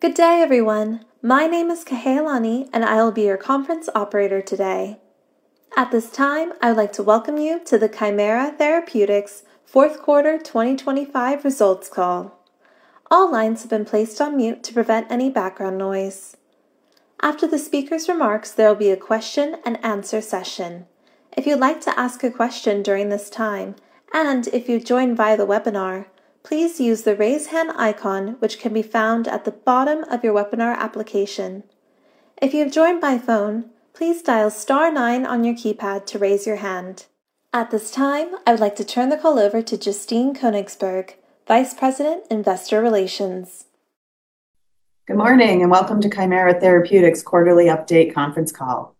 Good day, everyone. My name is Kahealani. I will be your conference operator today. At this time, I'd like to welcome you to the Kymera Therapeutics 4Q 2025 results call. All lines have been placed on mute to prevent any background noise. After the speaker's remarks, there will be a question and answer session. If you'd like to ask a question during this time, and if you've joined via the webinar, please use the Raise Hand icon, which can be found at the bottom of your webinar application. If you've joined by phone, please dial star nine on your keypad to raise your hand. At this time, I would like to turn the call over to Justine Koenigsberg, Vice President, Investor Relations. Good morning, and welcome to Kymera Therapeutics Quarterly Update conference call.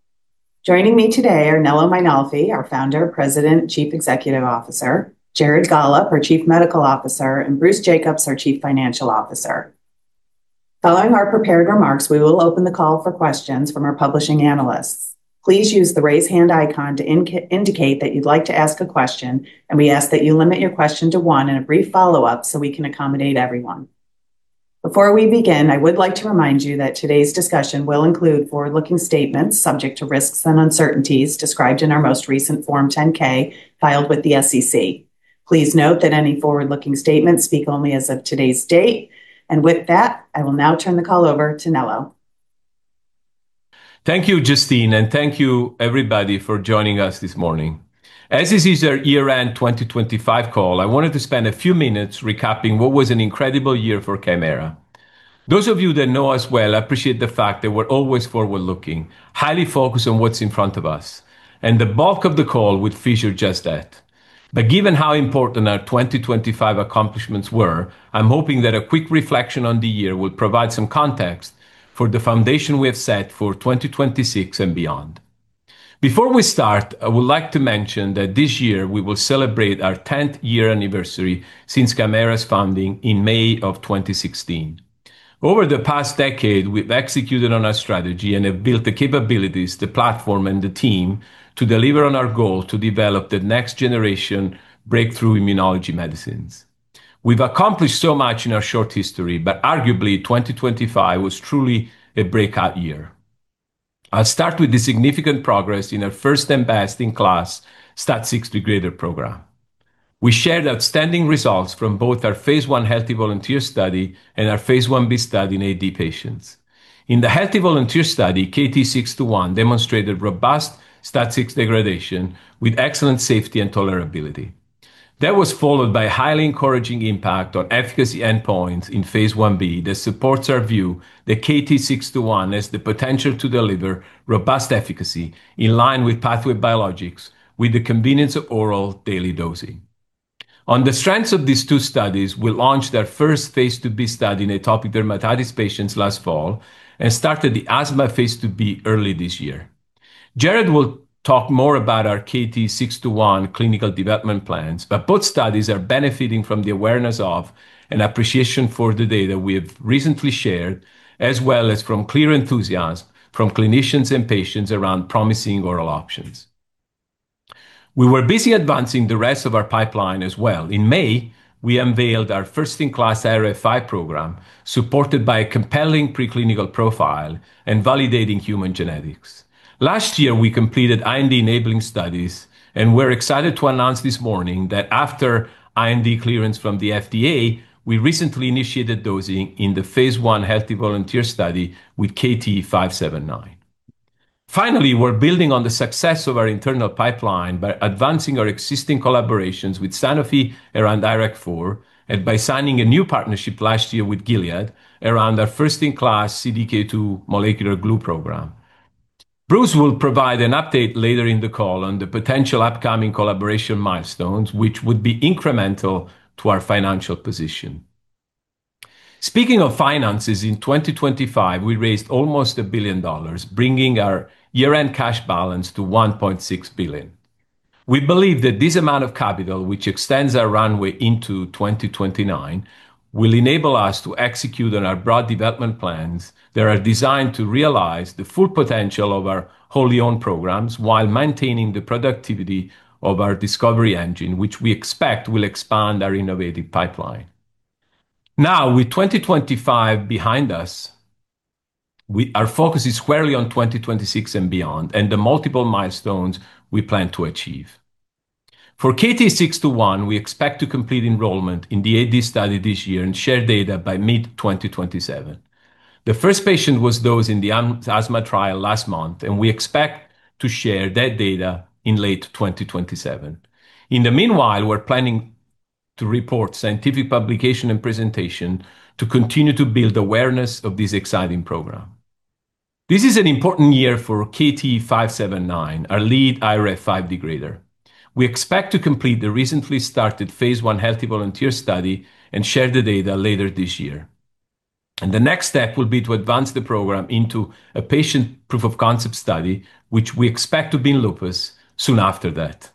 Joining me today are Nello Mainolfi, our Founder, President, and Chief Executive Officer; Jared Gollob, our Chief Medical Officer; and Bruce Jacobs, our Chief Financial Officer. Following our prepared remarks, we will open the call for questions from our publishing analysts. Please use the Raise Hand icon to indicate that you'd like to ask a question, and we ask that you limit your question to 1 and a brief follow-up so we can accommodate everyone. Before we begin, I would like to remind you that today's discussion will include forward-looking statements subject to risks and uncertainties described in our most recent Form 10-K filed with the SEC. Please note that any forward-looking statements speak only as of today's date. With that, I will now turn the call over to Nello. Thank you, Justine, thank you, everybody, for joining us this morning. As this is our year-end 2025 call, I wanted to spend a few minutes recapping what was an incredible year for Kymera. Those of you that know us well appreciate the fact that we're always forward-looking, highly focused on what's in front of us, and the bulk of the call would feature just that. Given how important our 2025 accomplishments were, I'm hoping that a quick reflection on the year will provide some context for the foundation we have set for 2026 and beyond. Before we start, I would like to mention that this year we will celebrate our 10th-year anniversary since Kymera's founding in May of 2016. Over the past decade, we've executed on our strategy and have built the capabilities, the platform, and the team to deliver on our goal to develop the next generation breakthrough immunology medicines. We've accomplished so much in our short history, arguably 2025 was truly a breakout year. I'll start with the significant progress in our first and best-in-class STAT6 degrader program. We shared outstanding results from both our phase I healthy volunteer study and our phase Ib study in AD patients. In the healthy volunteer study, KT-621 demonstrated robust STAT6 degradation with excellent safety and tolerability. That was followed by a highly encouraging impact on efficacy endpoints in phase Ib that supports our view that KT-621 has the potential to deliver robust efficacy in line with pathway biologics, with the convenience of oral daily dosing. On the strengths of these two studies, we launched our first phase IIb study in atopic dermatitis patients last fall and started the asthma phase IIb early this year. Jared will talk more about our KT-621 clinical development plans, but both studies are benefiting from the awareness of and appreciation for the data we have recently shared, as well as from clear enthusiasm from clinicians and patients around promising oral options. We were busy advancing the rest of our pipeline as well. In May, we unveiled our first-in-class IRF5 program, supported by a compelling preclinical profile and validating human genetics. Last year, we completed IND-enabling studies, and we're excited to announce this morning that after IND clearance from the FDA, we recently initiated dosing in the phase I healthy volunteer study with KT-579. Finally, we're building on the success of our internal pipeline by advancing our existing collaborations with Sanofi around IRAK4, and by signing a new partnership last year with Gilead around our first-in-class CDK2 molecular glue program. Bruce will provide an update later in the call on the potential upcoming collaboration milestones, which would be incremental to our financial position. Speaking of finances, in 2025, we raised almost $1 billion, bringing our year-end cash balance to $1.6 billion. We believe that this amount of capital, which extends our runway into 2029, will enable us to execute on our broad development plans that are designed to realize the full potential of our wholly owned programs while maintaining the productivity of our discovery engine, which we expect will expand our innovative pipeline. Now, with 2025 behind us, we. Our focus is squarely on 2026 and beyond, and the multiple milestones we plan to achieve. For KT-621, we expect to complete enrollment in the AD study this year and share data by mid-2027. The first patient was dosed in the asthma trial last month, and we expect to share that data in late 2027. In the meanwhile, we're planning to report scientific publication and presentation to continue to build awareness of this exciting program. This is an important year for KT-579, our lead IRF5 degrader. We expect to complete the recently started phase I healthy volunteer study and share the data later this year. The next step will be to advance the program into a patient proof of concept study, which we expect to be in lupus soon after that.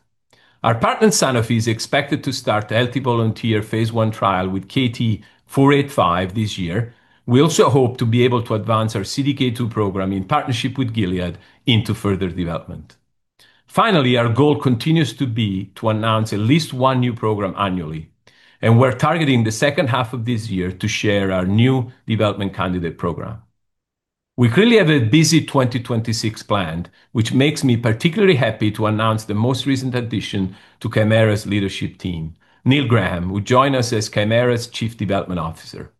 Our partner, Sanofi, is expected to start the healthy volunteer phase I trial with KT-485 this year. We also hope to be able to advance our CDK2 program in partnership with Gilead into further development. Finally, our goal continues to be to announce at least 1 new program annually, and we're targeting the second half of this year to share our new development candidate program. We clearly have a busy 2026 planned, which makes me particularly happy to announce the most recent addition to Kymera's leadership team, Neil Graham, who joined us as Kymera's Chief Development Officer.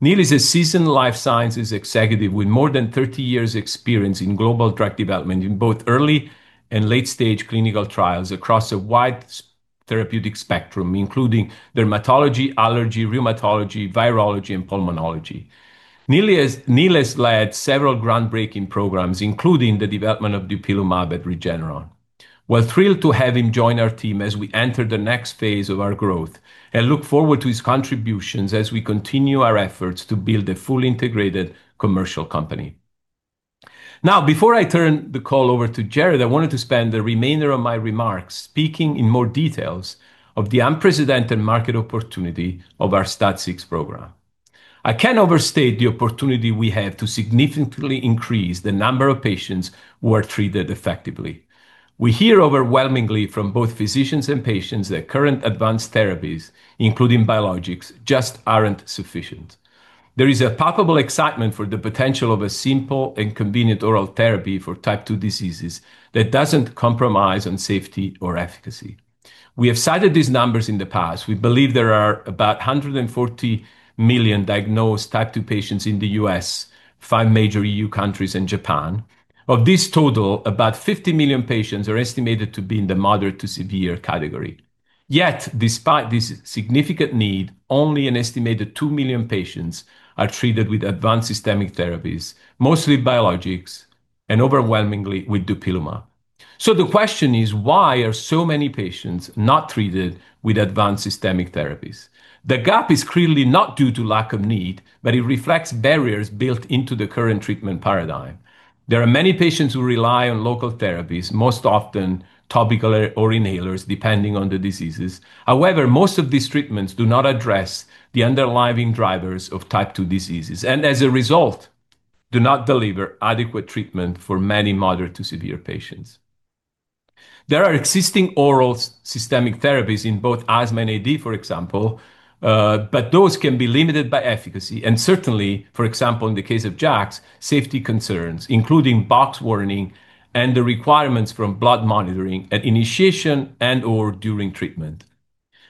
Neil is a seasoned life sciences executive with more than 30 years experience in global drug development in both early and late-stage clinical trials across a wide therapeutic spectrum, including dermatology, allergy, rheumatology, virology, and pulmonology. Neil has led several groundbreaking programs, including the development of dupilumab at Regeneron. We're thrilled to have him join our team as we enter the next phase of our growth, and look forward to his contributions as we continue our efforts to build a fully integrated commercial company. Before I turn the call over to Jared, I wanted to spend the remainder of my remarks speaking in more details of the unprecedented market opportunity of our STAT6 program. I can't overstate the opportunity we have to significantly increase the number of patients who are treated effectively. We hear overwhelmingly from both physicians and patients that current advanced therapies, including biologics, just aren't sufficient. There is a palpable excitement for the potential of a simple and convenient oral therapy for type 2 diseases that doesn't compromise on safety or efficacy. We have cited these numbers in the past. We believe there are about 140 million diagnosed type 2 patients in the U.S., five major EU countries, and Japan. Of this total, about 50 million patients are estimated to be in the moderate to severe category. Yet, despite this significant need, only an estimated 2 million patients are treated with advanced systemic therapies, mostly biologics, and overwhelmingly with dupilumab. The question is: Why are so many patients not treated with advanced systemic therapies? The gap is clearly not due to lack of need, but it reflects barriers built into the current treatment paradigm. There are many patients who rely on local therapies, most often topical or inhalers, depending on the diseases. However, most of these treatments do not address the underlying drivers of type 2 diseases, and as a result, do not deliver adequate treatment for many moderate to severe patients. There are existing oral systemic therapies in both asthma and AD, for example, but those can be limited by efficacy, and certainly, for example, in the case of JAKs, safety concerns, including boxed warning and the requirements from blood monitoring at initiation and/or during treatment.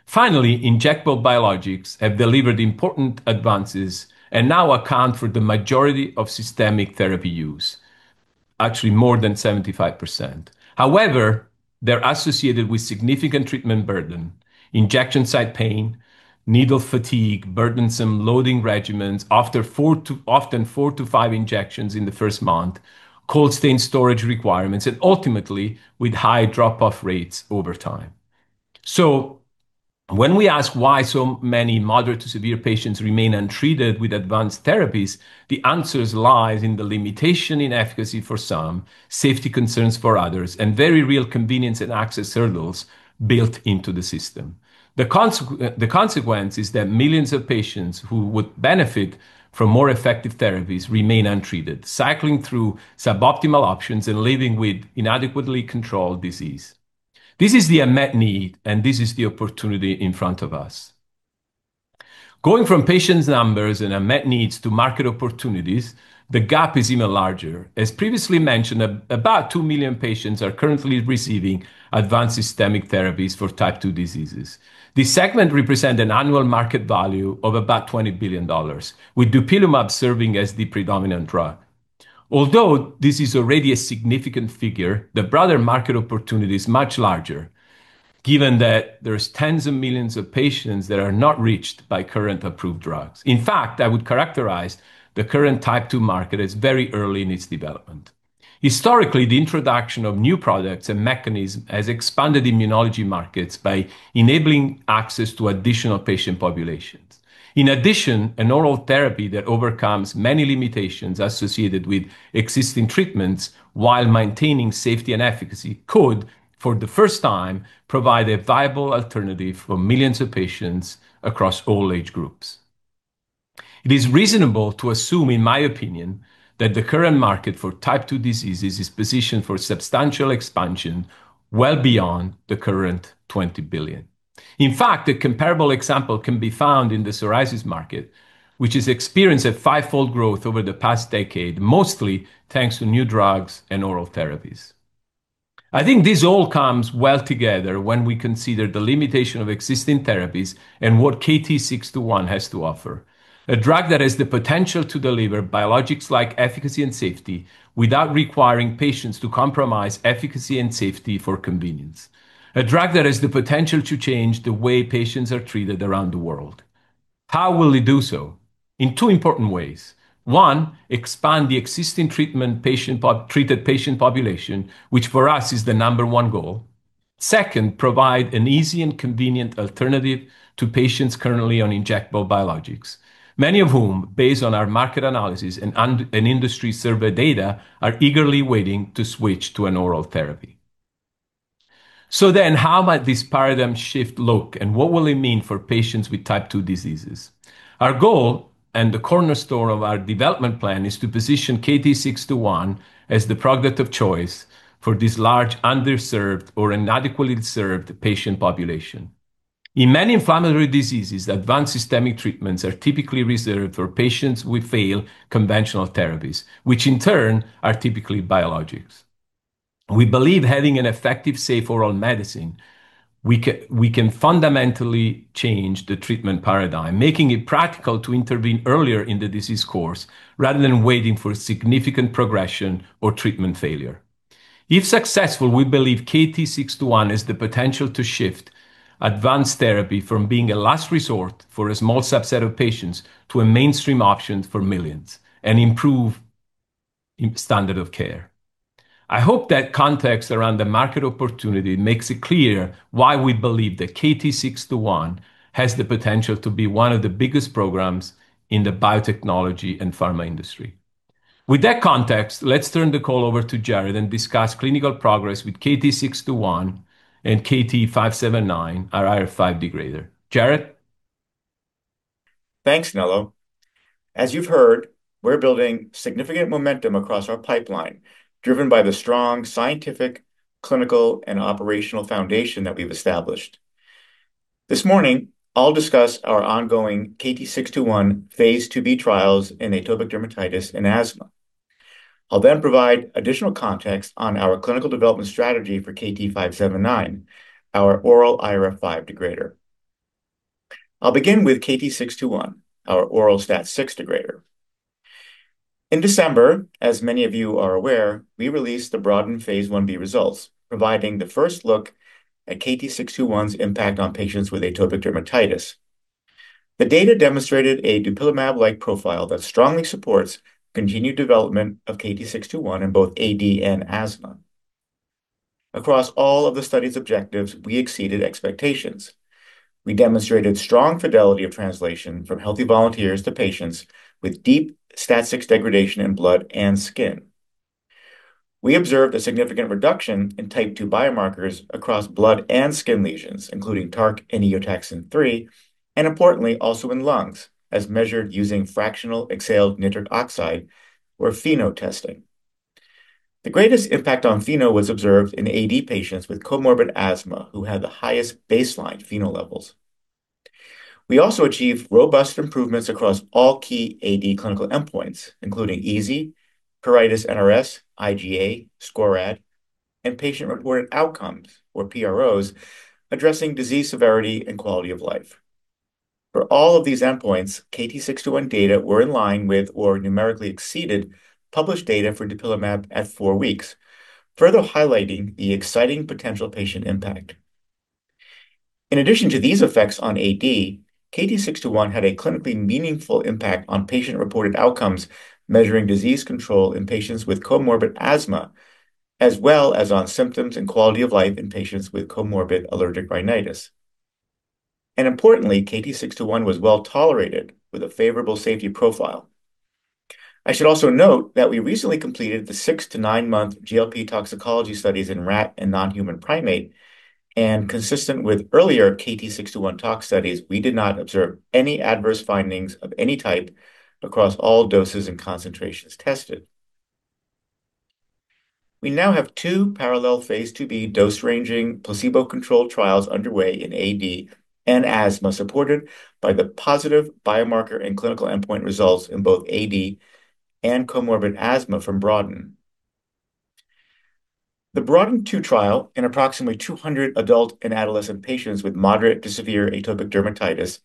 Finally, injectable biologics have delivered important advances and now account for the majority of systemic therapy use, actually more than 75%. However, they're associated with significant treatment burden, injection site pain, needle fatigue, burdensome loading regimens, often four to five injections in the first month, cold chain storage requirements, and ultimately with high drop-off rates over time. When we ask why so many moderate to severe patients remain untreated with advanced therapies, the answers lies in the limitation in efficacy for some, safety concerns for others, and very real convenience and access hurdles built into the system. The consequence is that millions of patients who would benefit from more effective therapies remain untreated, cycling through suboptimal options and living with inadequately controlled disease. This is the unmet need, and this is the opportunity in front of us. Going from patients' numbers and unmet needs to market opportunities, the gap is even larger. As previously mentioned, about 2 million patients are currently receiving advanced systemic therapies for type 2 diseases. This segment represent an annual market value of about $20 billion, with dupilumab serving as the predominant drug. Although this is already a significant figure, the broader market opportunity is much larger, given that there's tens of millions of patients that are not reached by current approved drugs. In fact, I would characterize the current type 2 market as very early in its development. Historically, the introduction of new products and mechanisms has expanded immunology markets by enabling access to additional patient populations. An oral therapy that overcomes many limitations associated with existing treatments while maintaining safety and efficacy could, for the first time, provide a viable alternative for millions of patients across all age groups. It is reasonable to assume, in my opinion, that the current market for type 2 diseases is positioned for substantial expansion well beyond the current $20 billion. A comparable example can be found in the psoriasis market, which has experienced a fivefold growth over the past decade, mostly thanks to new drugs and oral therapies. I think this all comes well together when we consider the limitation of existing therapies and what KT-621 has to offer. A drug that has the potential to deliver biologics like efficacy and safety without requiring patients to compromise efficacy and safety for convenience. A drug that has the potential to change the way patients are treated around the world. How will it do so? In two important ways. One, expand the existing treated patient population, which for us is the number one goal. Second, provide an easy and convenient alternative to patients currently on injectable biologics, many of whom, based on our market analysis and industry survey data, are eagerly waiting to switch to an oral therapy. How might this paradigm shift look, and what will it mean for patients with type 2 diseases? Our goal, and the cornerstone of our development plan, is to position KT-621 as the product of choice for this large, underserved or inadequately served patient population. In many inflammatory diseases, advanced systemic treatments are typically reserved for patients with failed conventional therapies, which in turn are typically biologics. We believe having an effective, safe oral medicine, we can fundamentally change the treatment paradigm, making it practical to intervene earlier in the disease course, rather than waiting for significant progression or treatment failure. If successful, we believe KT-621 has the potential to shift advanced therapy from being a last resort for a small subset of patients to a mainstream option for millions and improve standard of care. I hope that context around the market opportunity makes it clear why we believe that KT-621 has the potential to be one of the biggest programs in the biotechnology and pharma industry. With that context, let's turn the call over to Jared and discuss clinical progress with KT-621 and KT-579, our IRF5 degrader. Jared? Thanks, Nello. As you've heard, we're building significant momentum across our pipeline, driven by the strong scientific, clinical, and operational foundation that we've established. This morning, I'll discuss our ongoing KT-621 phase IIb trials in atopic dermatitis and asthma. I'll provide additional context on our clinical development strategy for KT-579, our oral IRF5 degrader. I'll begin with KT-621, our oral STAT6 degrader. In December, as many of you are aware, we released the broadened phase Ib results, providing the first look at KT-621's impact on patients with atopic dermatitis. The data demonstrated a dupilumab-like profile that strongly supports continued development of KT-621 in both AD and asthma. Across all of the study's objectives, we exceeded expectations. We demonstrated strong fidelity of translation from healthy volunteers to patients with deep STAT6 degradation in blood and skin. We observed a significant reduction in type 2 biomarkers across blood and skin lesions, including TARC and eotaxin-3, and importantly, also in lungs, as measured using fractional exhaled nitric oxide, or FeNO testing. The greatest impact on FeNO was observed in AD patients with comorbid asthma, who had the highest baseline FeNO levels. We also achieved robust improvements across all key AD clinical endpoints, including EASI, Pruritus NRS, IGA, SCORAD, and patient-reported outcomes, or PROs, addressing disease severity and quality of life. For all of these endpoints, KT-621 data were in line with or numerically exceeded published data for dupilumab at 4 weeks, further highlighting the exciting potential patient impact. In addition to these effects on AD, KT-621 had a clinically meaningful impact on patient-reported outcomes, measuring disease control in patients with comorbid asthma, as well as on symptoms and quality of life in patients with comorbid allergic rhinitis. Importantly, KT-621 was well-tolerated, with a favorable safety profile. I should also note that we recently completed the 6-9 month GLP toxicology studies in rat and non-human primate, and consistent with earlier KT-621 tox studies, we did not observe any adverse findings of any type across all doses and concentrations tested. We now have two parallel phase IIb dose-ranging, placebo-controlled trials underway in AD and asthma, supported by the positive biomarker and clinical endpoint results in both AD and comorbid asthma from BroADen. The BROADEN2 trial in approximately 200 adult and adolescent patients with moderate to severe atopic dermatitis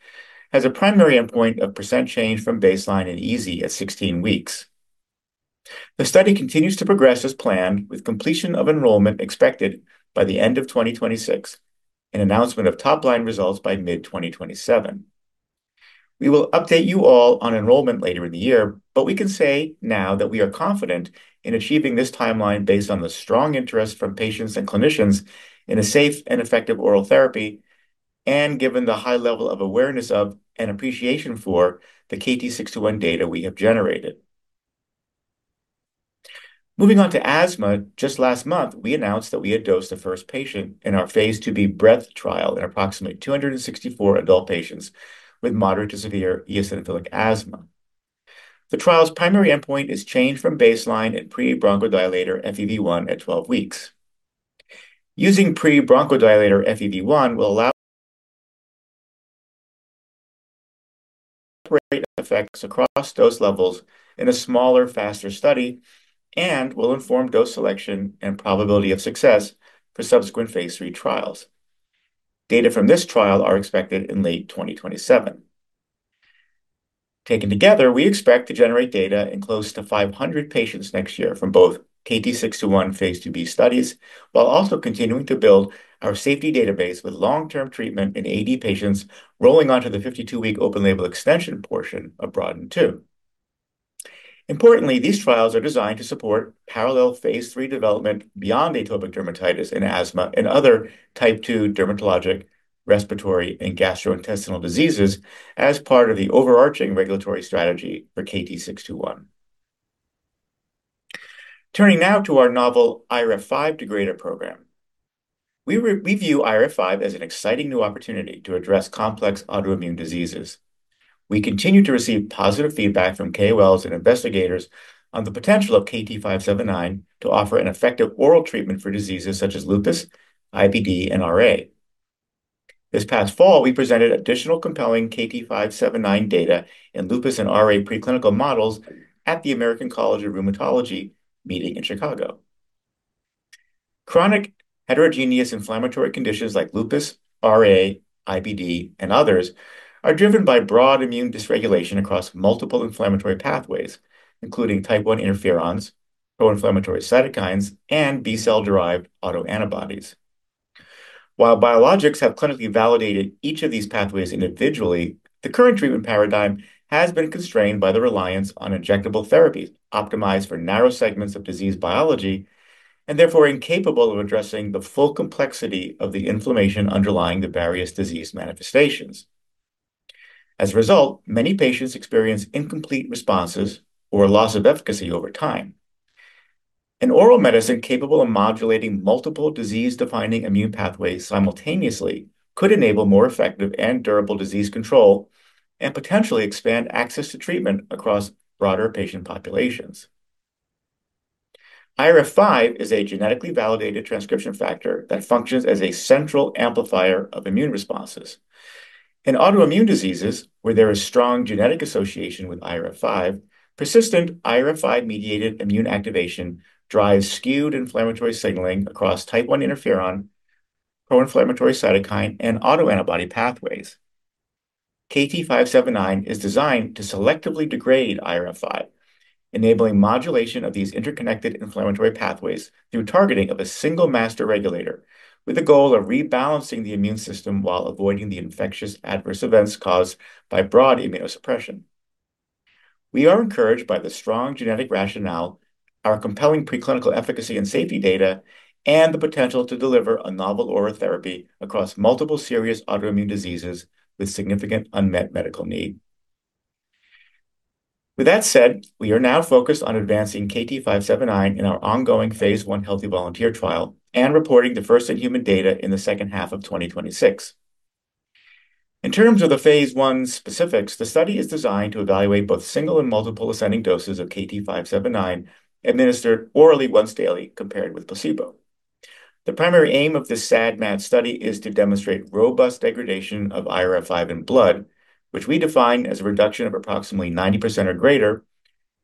has a primary endpoint of percent change from baseline and EASI at 16 weeks. The study continues to progress as planned, with completion of enrollment expected by the end of 2026, and announcement of top-line results by mid-2027. We will update you all on enrollment later in the year. We can say now that we are confident in achieving this timeline based on the strong interest from patients and clinicians in a safe and effective oral therapy, and given the high level of awareness of and appreciation for the KT-621 data we have generated. Moving on to asthma, just last month, we announced that we had dosed the first patient in our phase IIb BREADTH trial in approximately 264 adult patients with moderate to severe eosinophilic asthma. The trial's primary endpoint is changed from baseline in pre-bronchodilator FEV1 at 12 weeks. Using pre-bronchodilator FEV1 will allow... effects across dose levels in a smaller, faster study and will inform dose selection and probability of success for subsequent phase III trials. Data from this trial are expected in late 2027. Taken together, we expect to generate data in close to 500 patients next year from both KT-621 phase IIb studies, while also continuing to build our safety database with long-term treatment in AD patients rolling onto the 52-week open-label extension portion of BROADEN2. Importantly, these trials are designed to support parallel phase III development beyond atopic dermatitis and asthma and other Type 2 dermatologic, respiratory, and gastrointestinal diseases as part of the overarching regulatory strategy for KT-621. Turning now to our novel IRF5 degrader program. We view IRF5 as an exciting new opportunity to address complex autoimmune diseases. We continue to receive positive feedback from KOLs and investigators on the potential of KT-579 to offer an effective oral treatment for diseases such as lupus, IBD, and RA. This past fall, we presented additional compelling KT579 data in lupus and RA preclinical models at the American College of Rheumatology meeting in Chicago. Chronic heterogeneous inflammatory conditions like lupus, RA, IBD, and others are driven by broad immune dysregulation across multiple inflammatory pathways, including type one interferons, pro-inflammatory cytokines, and B-cell-derived autoantibodies. While biologics have clinically validated each of these pathways individually, the current treatment paradigm has been constrained by the reliance on injectable therapies optimized for narrow segments of disease biology, and therefore, incapable of addressing the full complexity of the inflammation underlying the various disease manifestations. As a result, many patients experience incomplete responses or a loss of efficacy over time. An oral medicine capable of modulating multiple disease-defining immune pathways simultaneously could enable more effective and durable disease control and potentially expand access to treatment across broader patient populations. IRF5 is a genetically validated transcription factor that functions as a central amplifier of immune responses. In autoimmune diseases, where there is strong genetic association with IRF5, persistent IRF5-mediated immune activation drives skewed inflammatory signaling across type I interferon, pro-inflammatory cytokine, and autoantibody pathways. KT-579 is designed to selectively degrade IRF5, enabling modulation of these interconnected inflammatory pathways through targeting of a single master regulator, with the goal of rebalancing the immune system while avoiding the infectious adverse events caused by broad immunosuppression. We are encouraged by the strong genetic rationale, our compelling preclinical efficacy and safety data, and the potential to deliver a novel oral therapy across multiple serious autoimmune diseases with significant unmet medical need. With that said, we are now focused on advancing KT-579 in our ongoing phase I healthy volunteer trial and reporting the first in-human data in the second half of 2026. In terms of the phase I specifics, the study is designed to evaluate both single and multiple ascending doses of KT-579, administered orally once daily, compared with placebo. The primary aim of this SAD/MAD study is to demonstrate robust degradation of IRF5 in blood, which we define as a reduction of approximately 90% or greater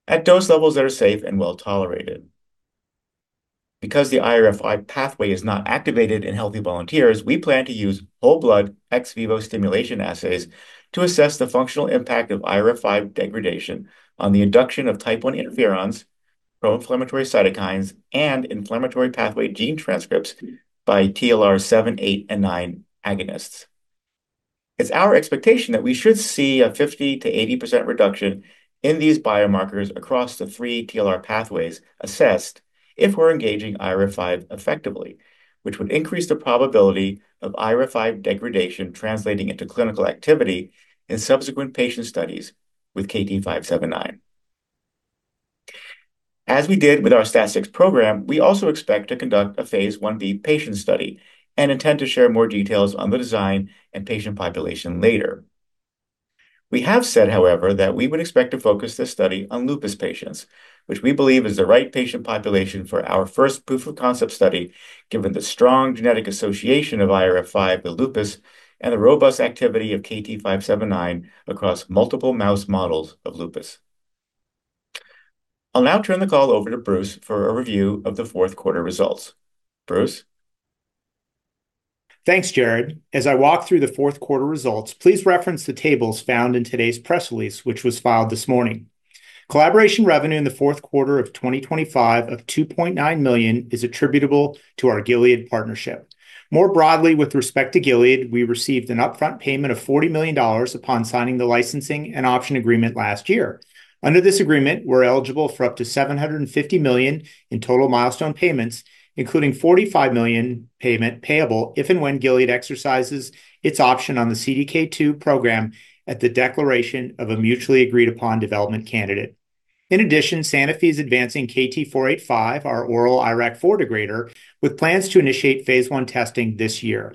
at dose levels that are safe and well-tolerated. Because the IRF5 pathway is not activated in healthy volunteers, we plan to use whole blood ex vivo stimulation assays to assess the functional impact of IRF5 degradation on the induction of type 1 interferons, pro-inflammatory cytokines, and inflammatory pathway gene transcripts by TLR7, 8, and 9 agonists. It's our expectation that we should see a 50%-80% reduction in these biomarkers across the 3 TLR pathways assessed if we're engaging IRF5 effectively, which would increase the probability of IRF5 degradation translating into clinical activity in subsequent patient studies with KT-579. As we did with our STAT6 program, we also expect to conduct a phase Ib patient study and intend to share more details on the design and patient population later. We have said, however, that we would expect to focus this study on lupus patients, which we believe is the right patient population for our first proof-of-concept study, given the strong genetic association of IRF5 with lupus and the robust activity of KT-579 across multiple mouse models of lupus. I'll now turn the call over to Bruce for a review of the 4Q results. Bruce? Thanks, Jared. As I walk through the 4Q results, please reference the tables found in today's press release, which was filed this morning. Collaboration revenue in the 4Q of 2025 of $2.9 million is attributable to our Gilead partnership. More broadly, with respect to Gilead, we received an upfront payment of $40 million upon signing the licensing and option agreement last year. Under this agreement, we're eligible for up to $750 million in total milestone payments, including $45 million payment payable if and when Gilead exercises its option on the CDK2 program at the declaration of a mutually agreed-upon development candidate. In addition, Sanofi is advancing KT-485, our oral IRAK4 degrader, with plans to initiate phase I testing this year.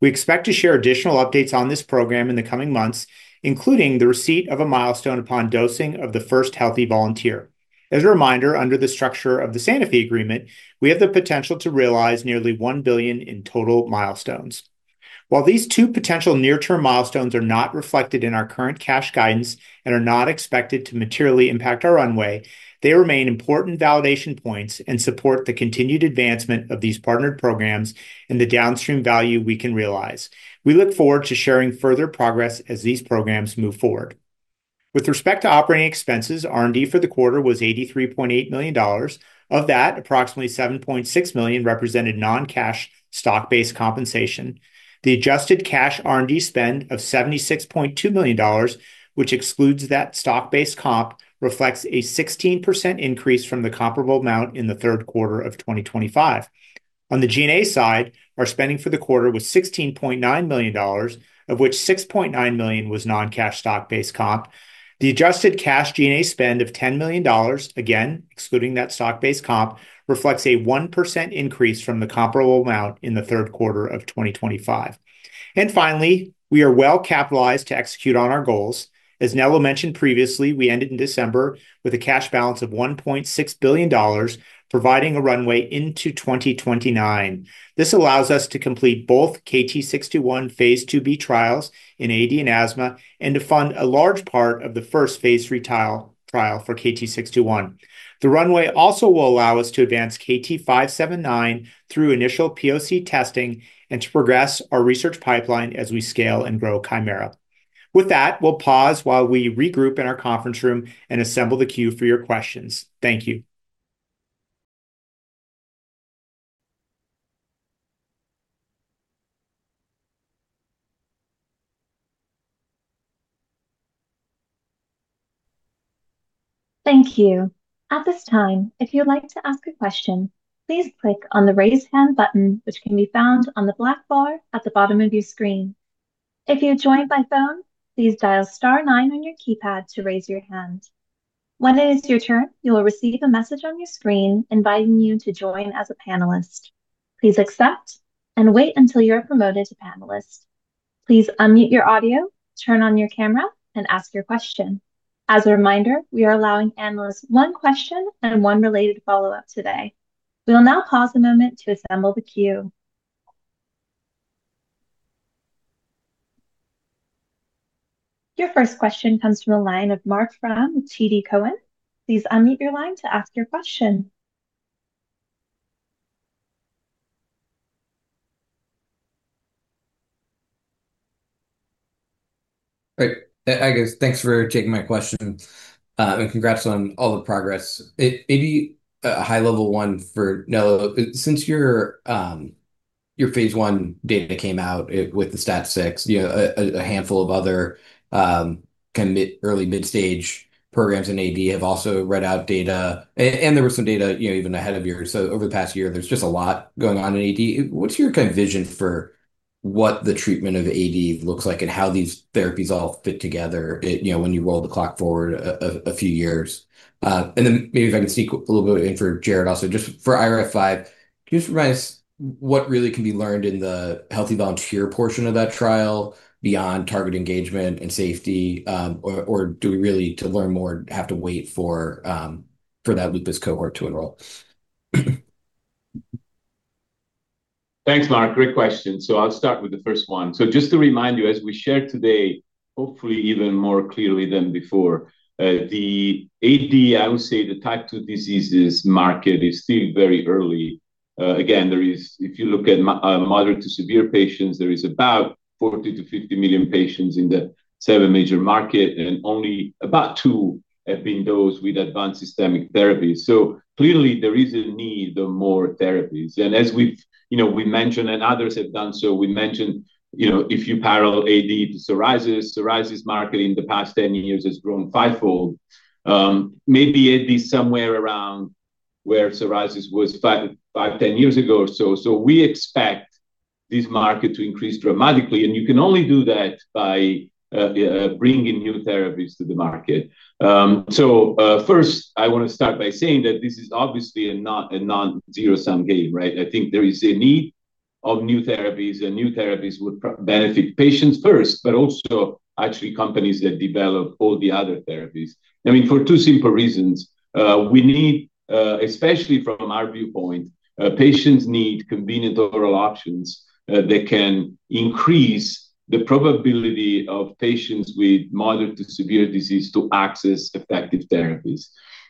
We expect to share additional updates on this program in the coming months, including the receipt of a milestone upon dosing of the first healthy volunteer. As a reminder, under the structure of the Sanofi agreement, we have the potential to realize nearly $1 billion in total milestones. While these two potential near-term milestones are not reflected in our current cash guidance and are not expected to materially impact our runway, they remain important validation points and support the continued advancement of these partnered programs and the downstream value we can realize. We look forward to sharing further progress as these programs move forward. With respect to operating expenses, R&D for the quarter was $83.8 million. Of that, approximately $7.6 million represented non-cash stock-based compensation. The adjusted cash R&D spend of $76.2 million, which excludes that stock-based comp, reflects a 16% increase from the comparable amount in the third quarter of 2025. On the G&A side, our spending for the quarter was $16.9 million, of which $6.9 million was non-cash stock-based comp. The adjusted cash G&A spend of $10 million, again, excluding that stock-based comp, reflects a 1% increase from the comparable amount in the third quarter of 2025. Finally, we are well capitalized to execute on our goals. As Nello mentioned previously, we ended in December with a cash balance of $1.6 billion, providing a runway into 2029. This allows us to complete both KT-621 phase Ib trials in AD and asthma, and to fund a large part of the first phase III trial for KT-621. The runway also will allow us to advance KT-579 through initial POC testing and to progress our research pipeline as we scale and grow Kymera. With that, we'll pause while we regroup in our conference room and assemble the queue for your questions. Thank you. Thank you. At this time, if you'd like to ask a question, please click on the Raise Hand button, which can be found on the black bar at the bottom of your screen. If you joined by phone, please dial star nine on your keypad to raise your hand. When it is your turn, you will receive a message on your screen inviting you to join as a panelist. Please accept and wait until you are promoted to panelist. Please unmute your audio, turn on your camera, and ask your question. As a reminder, we are allowing analysts 1 question and 1 related follow-up today. We will now pause a moment to assemble the queue. Your first question comes from the line of Marc Frahm, TD Cowen. Please unmute your line to ask your question. Hey, I guess thanks for taking my question and congrats on all the progress. Maybe a high-level one for Nello. Since your phase I data came out with the STAT6, you know, a handful of other early midstage programs in AD have also read out data, and there were some data, you know, even ahead of yours. Over the past year, there's just a lot going on in AD. What's your kind of vision for what the treatment of AD looks like and how these therapies all fit together, you know, when you roll the clock forward a few years? Maybe if I can sneak a little bit in for Jared also, just for IRF5, can you just remind us what really can be learned in the healthy volunteer portion of that trial beyond target engagement and safety? Or do we really, to learn more, have to wait for that lupus cohort to enroll? Thanks, Marc. Great question. I'll start with the first one. Just to remind you, as we shared today, hopefully even more clearly than before, the AD, I would say the type 2 diseases market is still very early. Again, if you look at moderate to severe patients, there is about $40 million-$50 million patients in the 7 major market, only about 2 have been dosed with advanced systemic therapies. Clearly, there is a need of more therapies. As we've, you know, we mentioned and others have done so, we mentioned, you know, if you parallel AD to psoriasis market in the past 10 years has grown 5-fold. Maybe it be somewhere around where psoriasis was 5, 10 years ago or so. We expect this market to increase dramatically, and you can only do that by bringing new therapies to the market. First, I wanna start by saying that this is obviously a non-zero-sum game, right? I think there is a need of new therapies, and new therapies would benefit patients first, but also actually companies that develop all the other therapies. I mean, for two simple reasons, we need, especially from our viewpoint, patients need convenient overall options that can increase the probability of patients with moderate to severe disease to access effective therapies.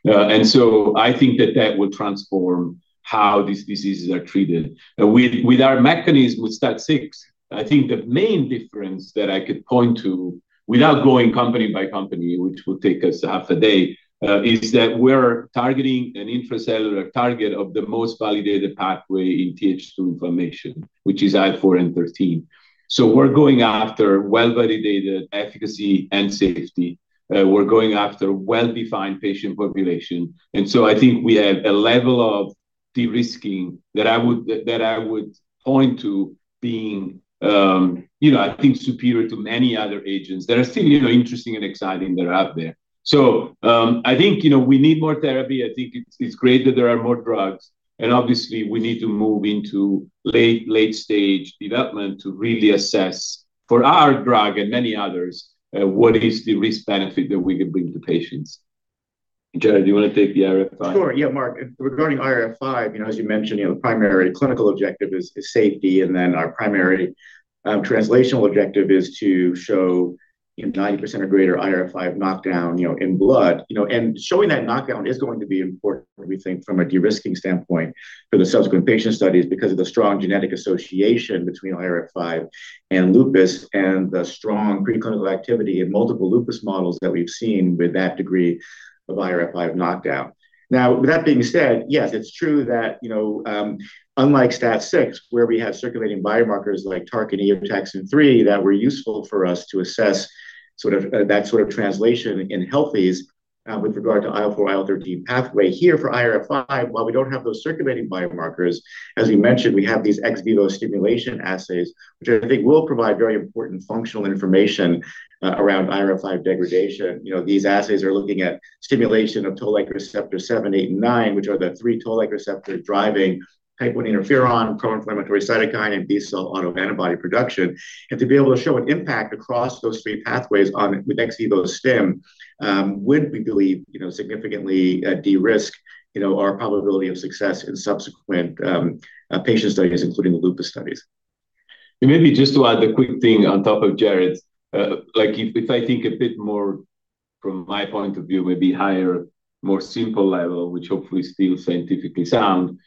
I think that would transform how these diseases are treated. With our mechanism, with STAT6, I think the main difference that I could point to, without going company by company, which would take us half a day, is that we're targeting an intracellular target of the most validated pathway in TH2 inflammation, which is IL-4 and IL-13. We're going after well-validated efficacy and safety. We're going after well-defined patient population. I think we have a level of de-risking that I would point to being, you know, I think superior to many other agents that are still, you know, interesting and exciting that are out there. I think, you know, we need more therapy. I think it's great that there are more drugs, obviously, we need to move into late-stage development to really assess for our drug and many others, what is the risk-benefit that we can bring to patients. Jared, do you wanna take the IRF5? Sure. Yeah, Marc, regarding IRF5, you know, as you mentioned, you know, the primary clinical objective is safety, and then our primary translational objective is to show, you know, 90% or greater IRF5 knockdown, you know, in blood. You know, showing that knockdown is going to be important when we think from a de-risking standpoint for the subsequent patient studies, because of the strong genetic association between IRF5 and lupus, and the strong preclinical activity in multiple lupus models that we've seen with that degree of IRF5 knockdown. Now, with that being said, yes, it's true that, you know, unlike STAT6, where we have circulating biomarkers like target eotaxin-3, that were useful for us to assess. ... sort of that sort of translation in healthies with regard to IL-4, IL-13 pathway. Here, for IRF5, while we don't have those circulating biomarkers, as we mentioned, we have these ex vivo stimulation assays, which I think will provide very important functional information around IRF5 degradation. You know, these assays are looking at stimulation of Toll-like receptor 7, 8, and 9, which are the three Toll-like receptors driving type I interferon, pro-inflammatory cytokine, and B-cell autoantibody production. To be able to show an impact across those three pathways with ex vivo stim, would, we believe, you know, significantly de-risk, you know, our probability of success in subsequent patient studies, including the lupus studies. Maybe just to add a quick thing on top of Jared's, if I think a bit more from my point of view, maybe higher, more simple level, which hopefully is still scientifically sound.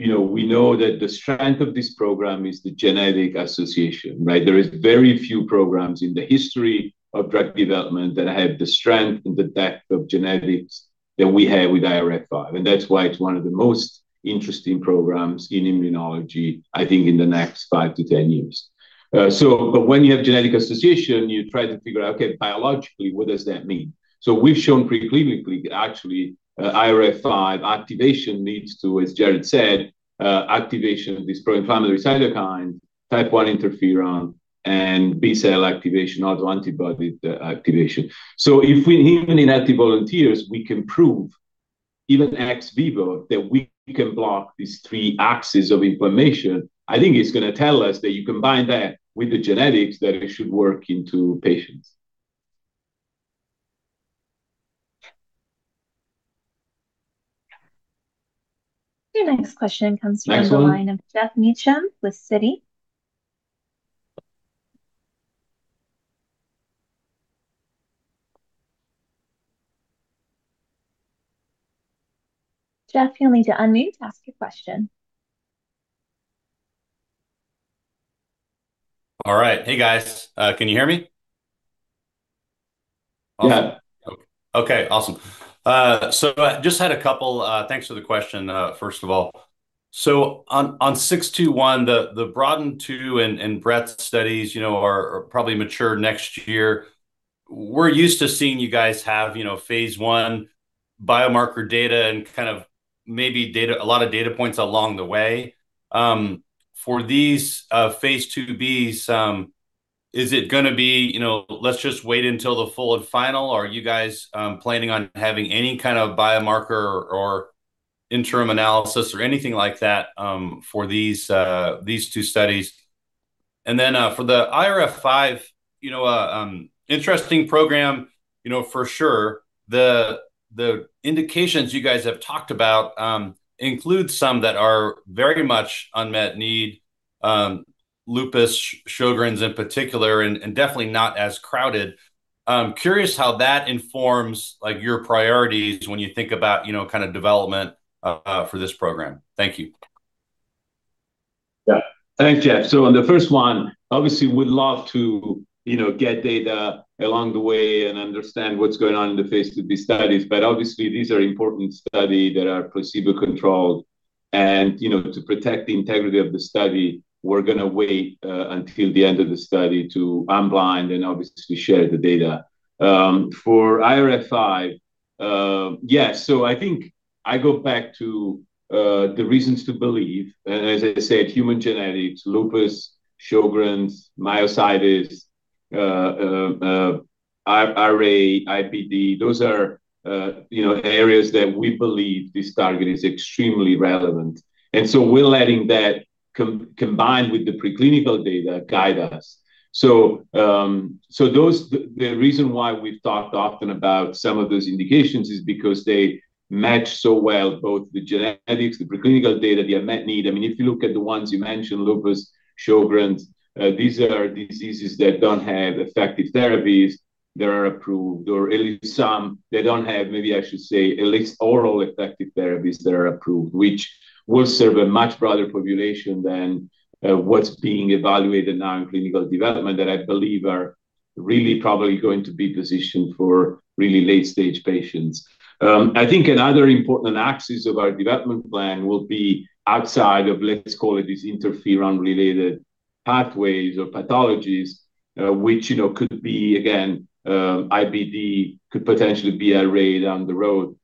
You know, we know that the strength of this program is the genetic association, right? There is very few programs in the history of drug development that have the strength and the depth of genetics that we have with IRF5, and that's why it's one of the most interesting programs in immunology, I think in the next 5-10 years. But when you have genetic association, you try to figure out, okay, biologically, what does that mean? We've shown preclinically that actually, IRF5 activation leads to, as Jared said, activation of these pro-inflammatory cytokines, type one interferon, and B cell activation, autoantibody activation. If we, even in healthy volunteers, we can prove, even ex vivo, that we can block these 3 axes of inflammation, I think it's gonna tell us that you combine that with the genetics, that it should work into patients. Your next question comes from- Next one- the line of Geoff Meacham with Citi. Geoff, you'll need to unmute to ask your question. All right. Hey, guys, can you hear me? Yeah. Awesome. I just had a couple. Thanks for the question, first of all. On KT-621, the BROADEN2 and BREADTH studies, you know, are probably mature next year. We're used to seeing you guys have, you know, phase I biomarker data and kind of maybe a lot of data points along the way. For these phase IIb, is it gonna be, you know, let's just wait until the full and final, or are you guys planning on having any kind of biomarker or interim analysis or anything like that for these two studies? For the IRF5, you know, interesting program, you know, for sure. The indications you guys have talked about, include some that are very much unmet need, lupus, Sjögren's in particular, and definitely not as crowded. I'm curious how that informs, like, your priorities when you think about, you know, kind of development for this program. Thank you. Yeah. Thanks, Geoff. On the first one, obviously, we'd love to, you know, get data along the way and understand what's going on in the phase IIb studies, but obviously, these are important study that are placebo-controlled. You know, to protect the integrity of the study, we're gonna wait until the end of the study to unblind and obviously share the data. For IRF5, yes, I think I go back to the reasons to believe, and as I said, human genetics, lupus, Sjögren's, myositis, RA, IBD, those are, you know, areas that we believe this target is extremely relevant. We're letting that combined with the preclinical data, guide us. Those... The reason why we've talked often about some of those indications is because they match so well, both the genetics, the preclinical data, the unmet need. I mean, if you look at the ones you mentioned, lupus, Sjögren's, these are diseases that don't have effective therapies that are approved, or at least some, they don't have, maybe I should say, at least oral effective therapies that are approved, which will serve a much broader population than what's being evaluated now in clinical development, that I believe are really probably going to be positioned for really late-stage patients. I think another important axis of our development plan will be outside of, let's call it, this interferon-related pathways or pathologies, which, you know, could be, again, IBD, could potentially be RA down the road.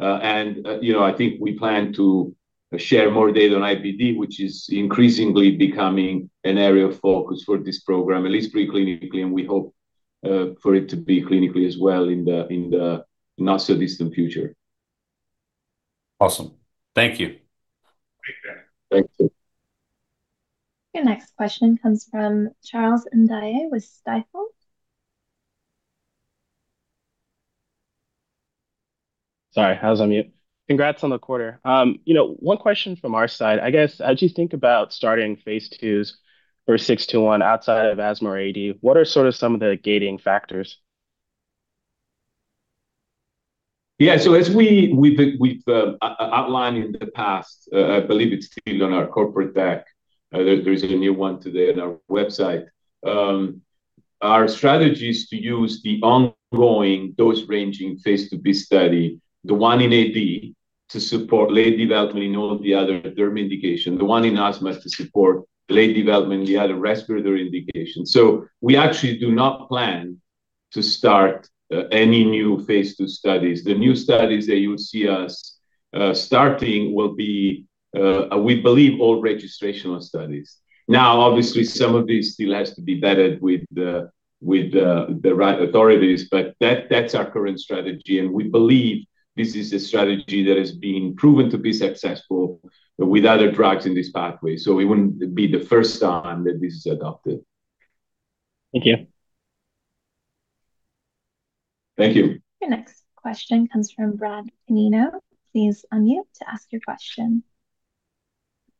You know, I think we plan to share more data on IBD, which is increasingly becoming an area of focus for this program, at least preclinically, and we hope, for it to be clinically as well in the not so distant future. Awesome. Thank you. Thank you. Thank you. Your next question comes from Charles Ndiaye with Stifel. Sorry, I was on mute. Congrats on the quarter. You know, one question from our side, I guess, as you think about starting phase IIs or outside of asthma AD, what are sort of some of the gating factors? Yeah. As we've outlined in the past, I believe it's still on our corporate deck, there's a new one today on our website. Our strategy is to use the ongoing dose-ranging phase IIb study, the one in AD-... to support late development in all of the other derm indications. The one in asthma is to support late development in the other respiratory indications. We actually do not plan to start any new phase II studies. The new studies that you'll see us starting will be, we believe, all registrational studies. Obviously, some of these still has to be vetted with the right authorities, but that's our current strategy, and we believe this is a strategy that has been proven to be successful with other drugs in this pathway. We wouldn't be the first one that this is adopted. Thank you. Thank you. Your next question comes from Brad Canino. Please unmute to ask your question.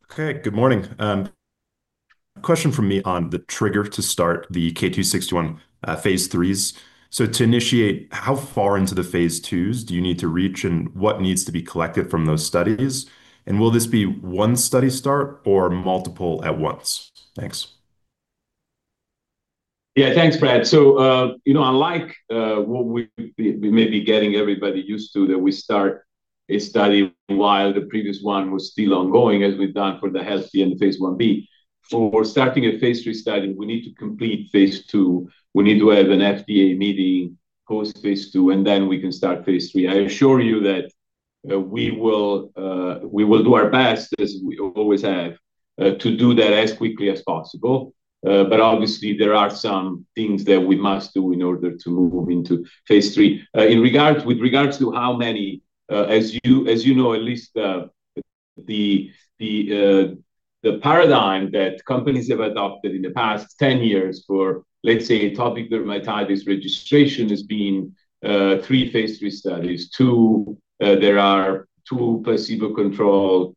Good morning. Question from me on the trigger to start the KT-621, phase IIs. To initiate, how far into the phase IIs do you need to reach, and what needs to be collected from those studies? Will this be 1 study start or multiple at once? Thanks. Yeah, thanks, Brad. you know, unlike, what we may be getting everybody used to, that we start a study while the previous one was still ongoing, as we've done for the healthy and the phase Ib. For starting a phase III study, we need to complete phase II. We need to have an FDA meeting, post phase II, and then we can start phase III. I assure you that, we will do our best, as we always have, to do that as quickly as possible. obviously, there are some things that we must do in order to move into phase III. With regards to how many, as you know, at least, the paradigm that companies have adopted in the past 10 years for, let's say, atopic dermatitis registration has been 3 phase III studies. 2, there are 2 placebo-controlled,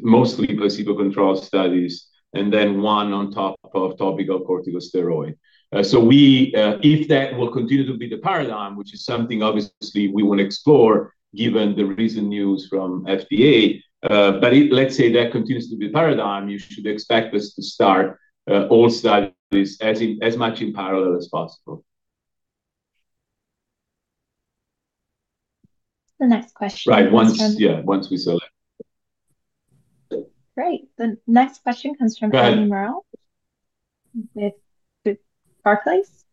mostly placebo-controlled studies, and then one on top of topical corticosteroid. We, if that will continue to be the paradigm, which is something obviously we will explore, given the recent news from FDA, but if let's say that continues to be the paradigm, you should expect us to start all studies as much in parallel as possible. The next question- Right. From- Yeah, once we select. Great. The next question comes from- Go ahead. Eliana Merle, with Barclays.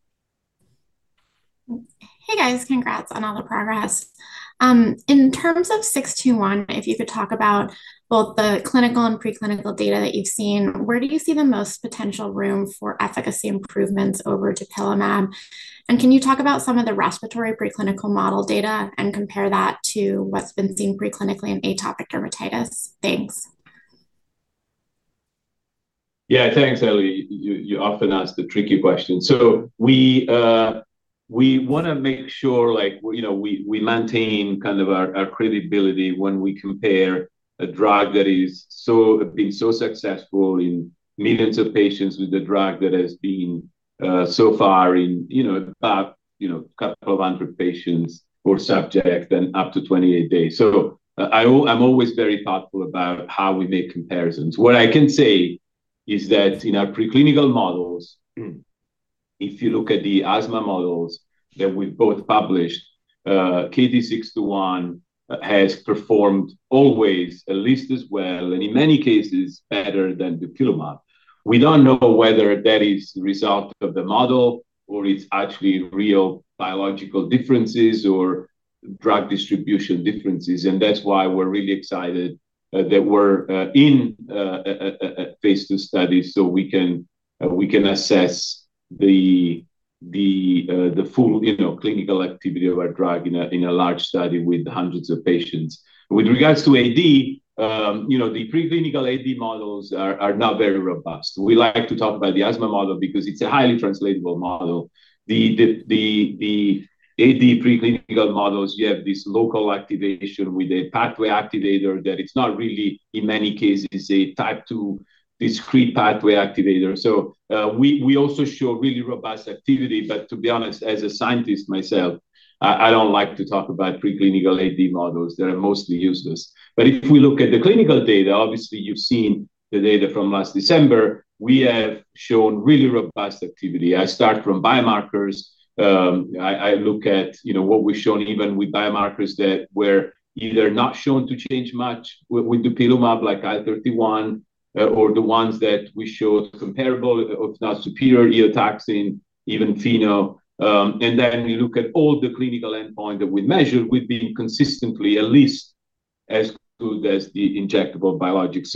Hey, guys. Congrats on all the progress. In terms of KT-621, if you could talk about both the clinical and preclinical data that you've seen, where do you see the most potential room for efficacy improvements over dupilumab? Can you talk about some of the respiratory preclinical model data and compare that to what's been seen preclinically in atopic dermatitis? Thanks. Yeah, thanks, Ellie. You often ask the tricky questions. We wanna make sure, like, you know, we maintain kind of our credibility when we compare a drug that have been so successful in millions of patients with a drug that has been, so far in, you know, about, you know, 200 patients or subjects and up to 28 days. I'm always very thoughtful about how we make comparisons. What I can say is that in our preclinical models, if you look at the asthma models that we've both published, KT-621 has performed always at least as well, and in many cases, better than dupilumab. We don't know whether that is the result of the model or it's actually real biological differences or drug distribution differences. That's why we're really excited that we're in a phase II study so we can assess the full, you know, clinical activity of our drug in a large study with hundreds of patients. With regards to AD, you know, the preclinical AD models are not very robust. We like to talk about the asthma model because it's a highly translatable model. The AD preclinical models, you have this local activation with a pathway activator that it's not really, in many cases, a type 2 discrete pathway activator. We also show really robust activity, but to be honest, as a scientist myself, I don't like to talk about preclinical AD models. They are mostly useless. If we look at the clinical data, obviously, you've seen the data from last December, we have shown really robust activity. I start from biomarkers. I look at, you know, what we've shown even with biomarkers that were either not shown to change much with dupilumab, like IL-31, or the ones that we showed comparable, if not superior, eotaxin, even FeNO. Then we look at all the clinical endpoint that we measured, we've been consistently at least as good as the injectable biologics.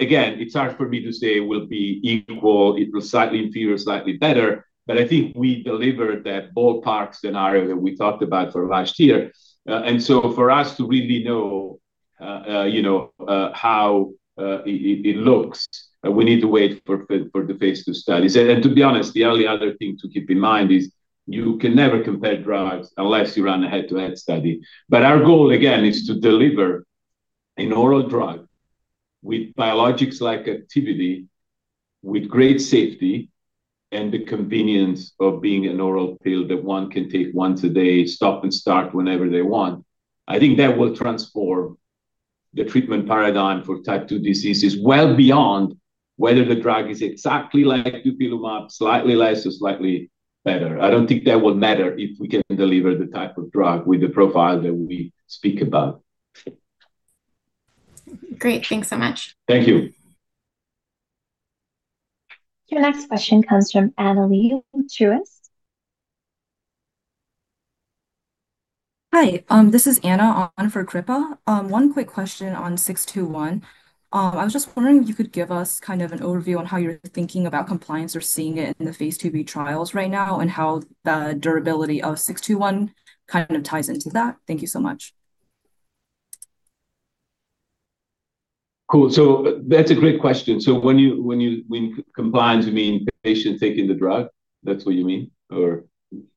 Again, it's hard for me to say will be equal, it was slightly inferior, slightly better, but I think we delivered that ballpark scenario that we talked about for last year. For us to really know, you know, how it looks, we need to wait for the phase II studies. To be honest, the only other thing to keep in mind is you can never compare drugs unless you run a head-to-head study. Our goal, again, is to deliver an oral drug with biologics like activity, with great safety, and the convenience of being an oral pill that one can take once a day, stop and start whenever they want. I think that will transform. The treatment paradigm for type 2 disease is well beyond whether the drug is exactly like dupilumab, slightly less or slightly better. I don't think that would matter if we can deliver the type of drug with the profile that we speak about. Great. Thanks so much. Thank you. Your next question comes from Joon Lee Truist. Hi, this is Anna on for Kripa. One quick question on KT-621. I was just wondering if you could give us kind of an overview on how you're thinking about compliance or seeing it in the phase IIb trials right now, and how the durability of KT-621 kind of ties into that? Thank you so much. Cool. That's a great question. When you, when compliance, you mean patient taking the drug, that's what you mean?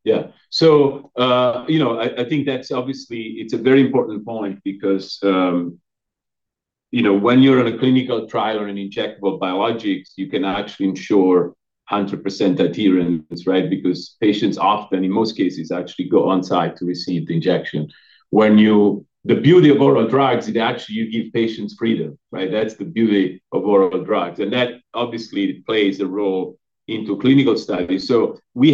Yeah. You know, I think that's obviously it's a very important point because, you know, when you're on a clinical trial or an injectable biologics, you cannot actually ensure 100% adherence, right? Because patients often, in most cases, actually go on site to receive the injection. When the beauty of oral drugs is actually you give patients freedom, right? That's the beauty of oral drugs, and that obviously plays a role into clinical studies. We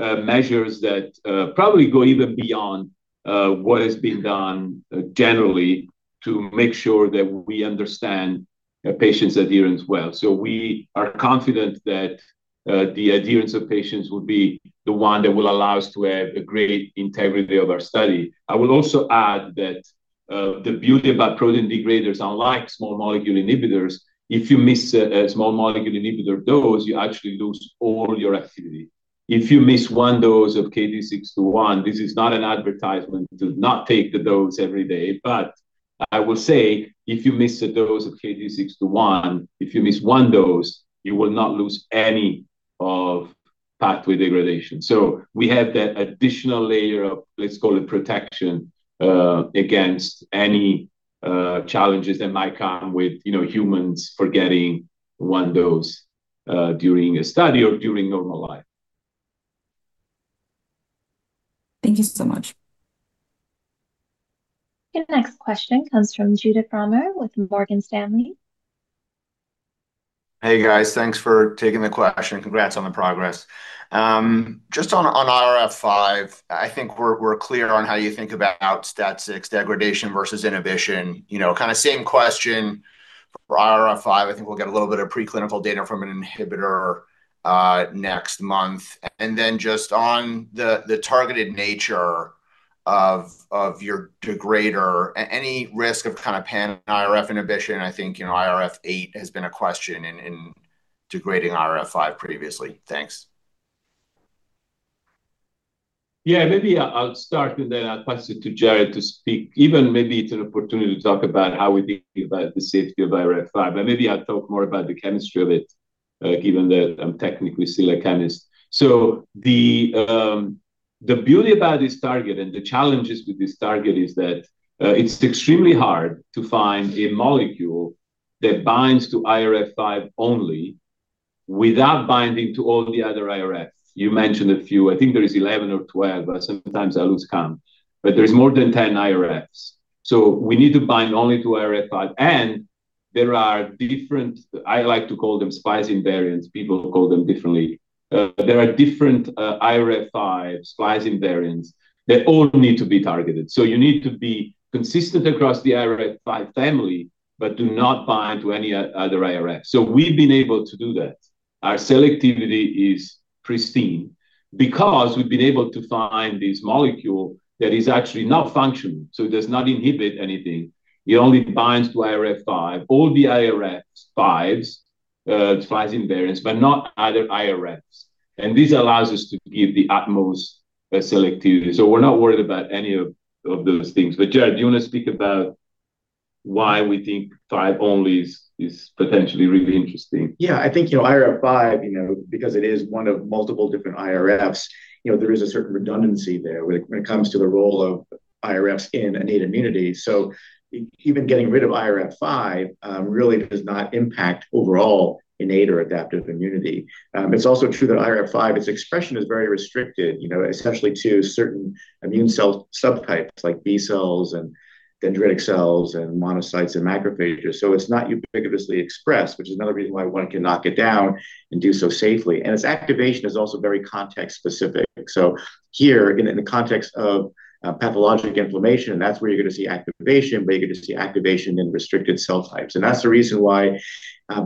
have measures that probably go even beyond what has been done generally to make sure that we understand a patient's adherence well. We are confident that the adherence of patients will be the one that will allow us to have a great integrity of our study. I will also add that the beauty about protein degraders, unlike small molecule inhibitors, if you miss a small molecule inhibitor dose, you actually lose all your activity. If you miss 1 dose of KT-621, this is not an advertisement to not take the dose every day, but I will say, if you miss a dose of KT-621, if you miss 1 dose, you will not lose any of pathway degradation. We have that additional layer of, let's call it protection, against any challenges that might come with, you know, humans forgetting 1 dose during a study or during normal life. Thank you so much. Your next question comes from Judith Rommer with Morgan Stanley. Hey, guys. Thanks for taking the question. Congrats on the progress. Just on IRF5, I think we're clear on how you think about STAT6 degradation versus inhibition. You know, kind of same question for IRF5. I think we'll get a little bit of preclinical data from an inhibitor next month. Just on the targeted nature of your degrader, any risk of kind of pan IRF inhibition? I think, you know, IRF8 has been a question in degrading IRF5 previously. Thanks. Maybe I'll start, then I'll pass it to Jared to speak. Even maybe it's an opportunity to talk about how we think about the safety of IRF5, maybe I'll talk more about the chemistry of it, given that I'm technically still a chemist. The beauty about this target and the challenges with this target is that it's extremely hard to find a molecule that binds to IRF5 only, without binding to all the other IRFs. You mentioned a few. I think there is 11 or 12, sometimes I lose count. There's more than 10 IRFs, we need to bind only to IRF5, there are different... I like to call them splicing variants. People call them differently. There are different IRF5 splicing variants that all need to be targeted. You need to be consistent across the IRF5 family, but do not bind to any other IRF. We've been able to do that. Our selectivity is pristine because we've been able to find this molecule that is actually not functional, so it does not inhibit anything. It only binds to IRF5, all the IRF5s, splicing variants, but not other IRFs. This allows us to give the utmost selectivity. We're not worried about any of those things. Jared, do you want to speak about why we think 5 only is potentially really interesting? Yeah, I think, you know, IRF5, you know, because it is one of multiple different IRFs, you know, there is a certain redundancy there when it comes to the role of IRFs in innate immunity. Even getting rid of IRF5, really does not impact overall innate or adaptive immunity. It's also true that IRF5, its expression is very restricted, you know, especially to certain immune cell subtypes, like B-cells and dendritic cells and monocytes and macrophages. It's not ubiquitously expressed, which is another reason why one can knock it down and do so safely. Its activation is also very context specific. Here, in the context of pathologic inflammation, that's where you're going to see activation, but you're going to see activation in restricted cell types. That's the reason why,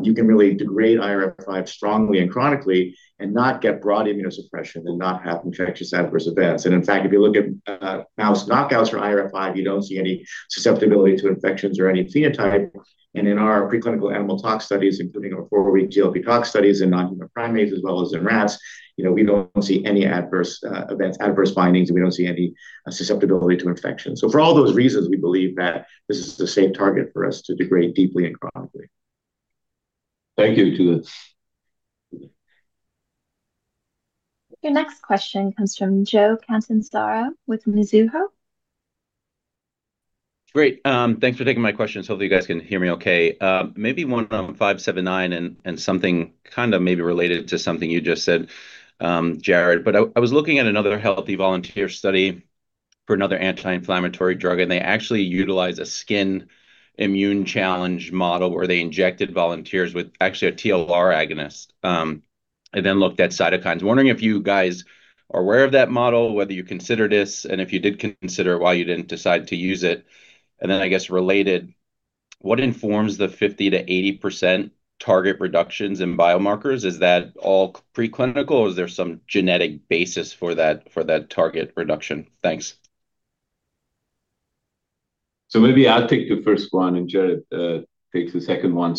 you can really degrade IRF5 strongly and chronically and not get broad immunosuppression and not have infectious adverse events. In fact, if you look at, mouse knockouts for IRF5, you don't see any susceptibility to infections or any phenotype. In our preclinical animal tox studies, including our four-week GLP tox studies in non-human primates as well as in rats, you know, we don't see any adverse events, adverse findings, and we don't see any susceptibility to infection. For all those reasons, we believe that this is the same target for us to degrade deeply and chronically. Thank you, Judith. Your next question comes from Joseph Catanzaro with Mizuho. Great. Thanks for taking my question. Hopefully, you guys can hear me okay. Maybe one on 579, and something kind of maybe related to something you just said, Jared. I was looking at another healthy volunteer study... for another anti-inflammatory drug, and they actually utilize a skin immune challenge model, where they injected volunteers with actually a TLR agonist, and then looked at cytokines. Wondering if you guys are aware of that model, whether you considered this, and if you did consider it, why you didn't decide to use it? Then, I guess, related, what informs the 50%-80% target reductions in biomarkers? Is that all preclinical, or is there some genetic basis for that target reduction? Thanks. Maybe I'll take the first one, and Jared takes the second one.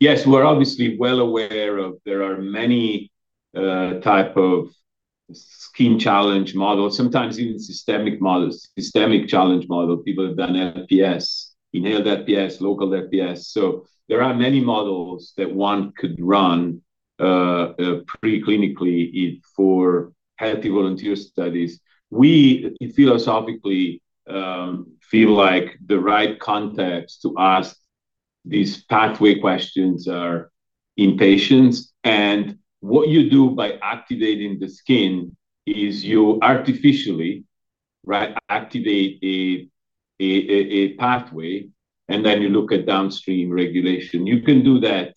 Yes, we're obviously well aware of there are many type of skin challenge models, sometimes even systemic models. Systemic challenge model, people have done FPS, inhaled FPS, local FPS. There are many models that one could run preclinically for healthy volunteer studies. We philosophically feel like the right context to ask these pathway questions are in patients, and what you do by activating the skin is you artificially, right, activate a pathway, and then you look at downstream regulation. You can do that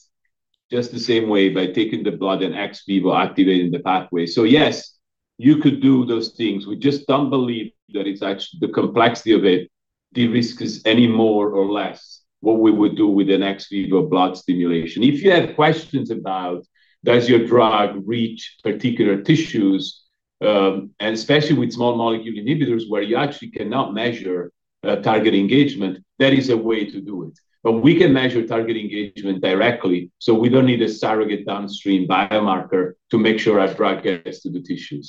just the same way by taking the blood and ex vivo activating the pathway. Yes, you could do those things. We just don't believe that it's actually... the complexity of it, de-risks any more or less what we would do with an ex vivo blood stimulation. If you have questions about, does your drug reach particular tissues, and especially with small molecule inhibitors, where you actually cannot measure target engagement, that is a way to do it. We can measure target engagement directly, so we don't need a surrogate downstream biomarker to make sure our drug gets to the tissue.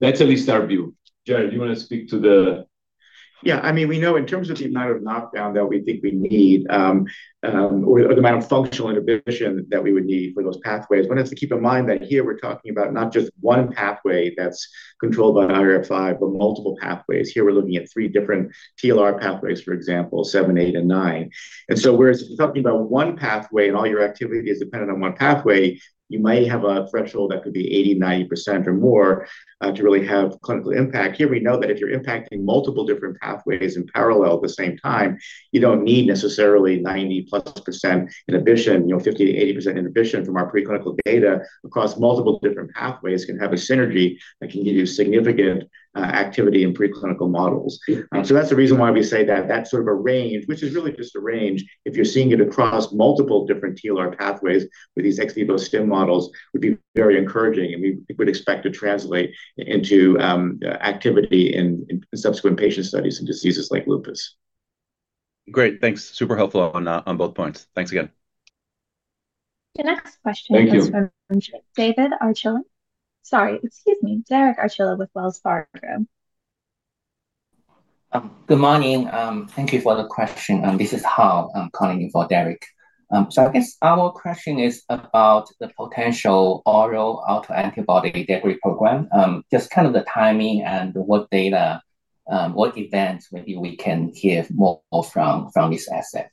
That's at least our view. Jared, do you wanna speak? Yeah, I mean, we know in terms of the amount of knockdown that we think we need, or the amount of functional inhibition that we would need for those pathways. One has to keep in mind that here we're talking about not just one pathway that's controlled by IRF5, but multiple pathways. Here, we're looking at 3 different TLR pathways, for example, 7, 8, and 9. Whereas if you're talking about one pathway and all your activity is dependent on one pathway, you might have a threshold that could be 80, 90% or more, to really have clinical impact. Here, we know that if you're impacting multiple different pathways in parallel at the same time, you don't need necessarily 90+ % inhibition. You know, 50%-80% inhibition from our preclinical data across multiple different pathways can have a synergy that can give you significant activity in preclinical models. That's the reason why we say that that's sort of a range, which is really just a range. If you're seeing it across multiple different TLR pathways with these ex vivo stem models, would be very encouraging, and we would expect to translate into activity in subsequent patient studies in diseases like lupus. Great, thanks. Super helpful on both points. Thanks again. The next question- Thank you. is from Derek Archila. Sorry, excuse me, Derek Archila with Wells Fargo. Good morning. Thank you for the question. This is Hao. I'm calling in for Derek. I guess our question is about the potential oral autoantibody degree program. Just kind of the timing and what data, what events maybe we can hear more from this asset?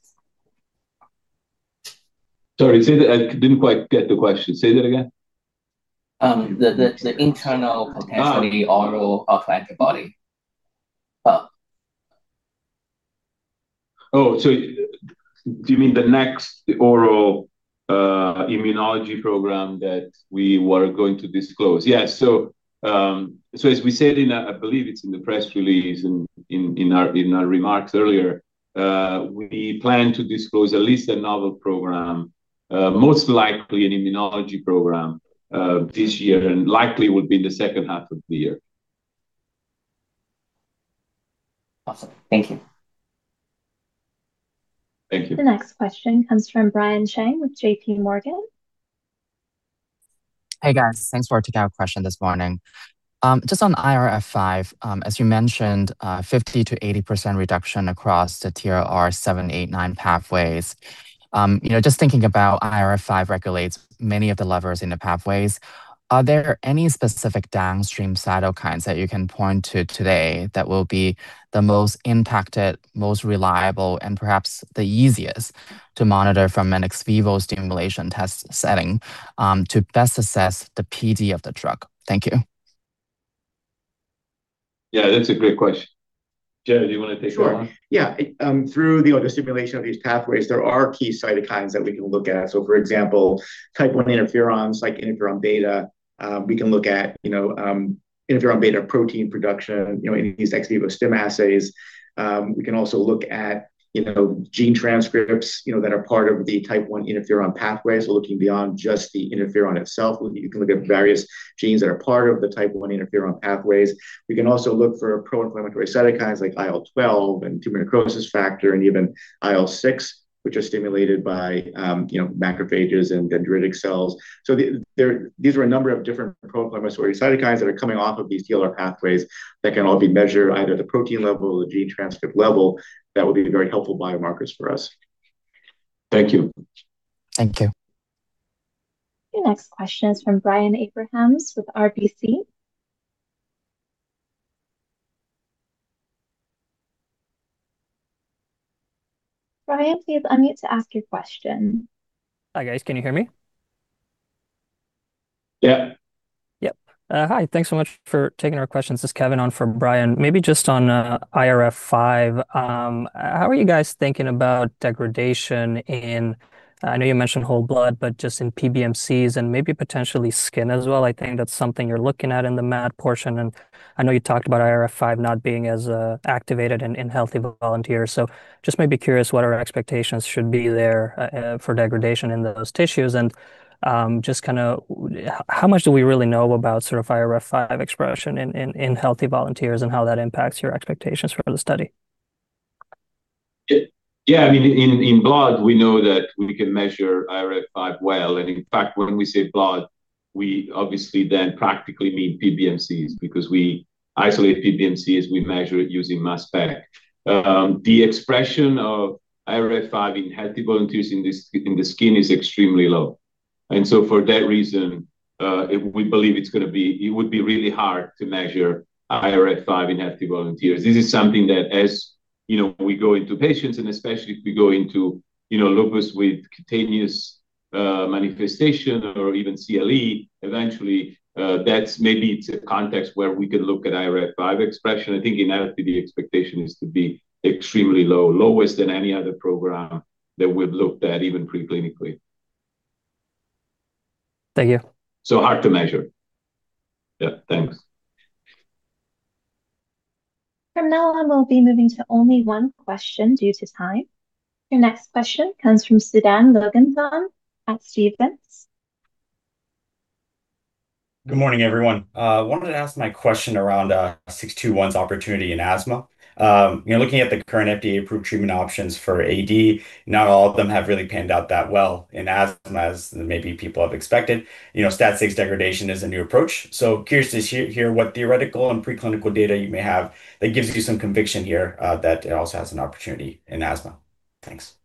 Sorry, I didn't quite get the question. Say that again. Um, the, the, the internal- Ah! potentiality oral autoantibody. Do you mean the next oral immunology program that we were going to disclose? Yes. As we said, I believe it's in the press release and in our remarks earlier, we plan to disclose at least a novel program, most likely an immunology program, this year, and likely will be in the second half of the year. Awesome. Thank you. Thank you. The next question comes from Brian Cheng with JPMorgan. Hey, guys. Thanks for taking our question this morning. just on IRF5, as you mentioned, 50% to 80% reduction across the TLR7, 8, 9 pathways. you know, just thinking about IRF5 regulates many of the levers in the pathways, are there any specific downstream cytokines that you can point to today that will be the most impacted, most reliable, and perhaps the easiest to monitor from an ex vivo stimulation test setting, to best assess the PD of the drug? Thank you. Yeah, that's a great question. Jared, do you want to take that one? Sure. Yeah, through the other stimulation of these pathways, there are key cytokines that we can look at. For example, type 1 interferons, like interferon beta, we can look at, you know, interferon beta protein production, you know, in these ex vivo stem assays. We can also look at, you know, gene transcripts, you know, that are part of the type 1 interferon pathways. We're looking beyond just the interferon itself. You can look at various genes that are part of the type 1 interferon pathways. We can also look for pro-inflammatory cytokines like IL-12 and tumor necrosis factor, and even IL-6, which are stimulated by, you know, macrophages and dendritic cells. These are a number of different pro-inflammatory cytokines that are coming off of these TLR pathways that can all be measured, either the protein level or the gene transcript level. That would be very helpful biomarkers for us. Thank you. Thank you. The next question is from Brian Abrahams with RBC. Brian, please unmute to ask your question. Hi, guys. Can you hear me? Yeah. Yep. Hi, thanks so much for taking our questions. This is Kevin on for Brian. Maybe just on IRF5, how are you guys thinking about degradation in PBMCs and maybe potentially skin as well? I think that's something you're looking at in the MAD portion. I know you talked about IRF5 not being as activated in healthy volunteers. Just maybe curious what our expectations should be there for degradation in those tissues. Just kind of how much do we really know about sort of IRF5 expression in healthy volunteers and how that impacts your expectations for the study? Yeah, yeah. I mean, in blood, we know that we can measure IRF5 well, and in fact, when we say blood, we obviously then practically mean PBMCs, because we isolate PBMCs, we measure it using mass spec. The expression of IRF5 in healthy volunteers in the skin is extremely low. For that reason, we believe it would be really hard to measure IRF5 in healthy volunteers. This is something that as, you know, we go into patients, especially if we go into, you know, lupus with cutaneous manifestation or even CLE, eventually, that's maybe it's a context where we could look at IRF5 expression. I think in LP, the expectation is to be extremely low, lowest than any other program that we've looked at, even preclinically. Thank you. Hard to measure. Yeah, thanks. From now on, we'll be moving to only one question due to time. Your next question comes from Sudan Loganadane at Stephens. Good morning, everyone. wanted to ask my question around KT-621's opportunity in asthma. You know, looking at the current FDA-approved treatment options for AD, not all of them have really panned out that well in asthma as maybe people have expected. You know, STAT6 degradation is a new approach, so curious to hear what theoretical and preclinical data you may have that gives you some conviction here that it also has an opportunity in asthma. Thanks.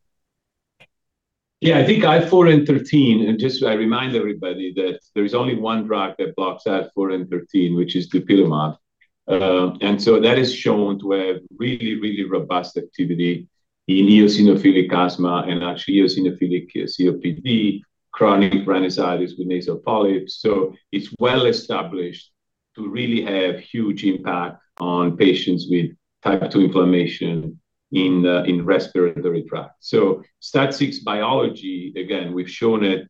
I think IL-4 and IL-13, just I remind everybody that there is only one drug that blocks IL-4 and IL-13, which is dupilumab. That is shown to have really, really robust activity in eosinophilic asthma and actually eosinophilic COPD, chronic rhinitis with nasal polyps. It's well established to really have huge impact on patients with Type 2 inflammation in the respiratory tract. STAT6 biology, again, we've shown it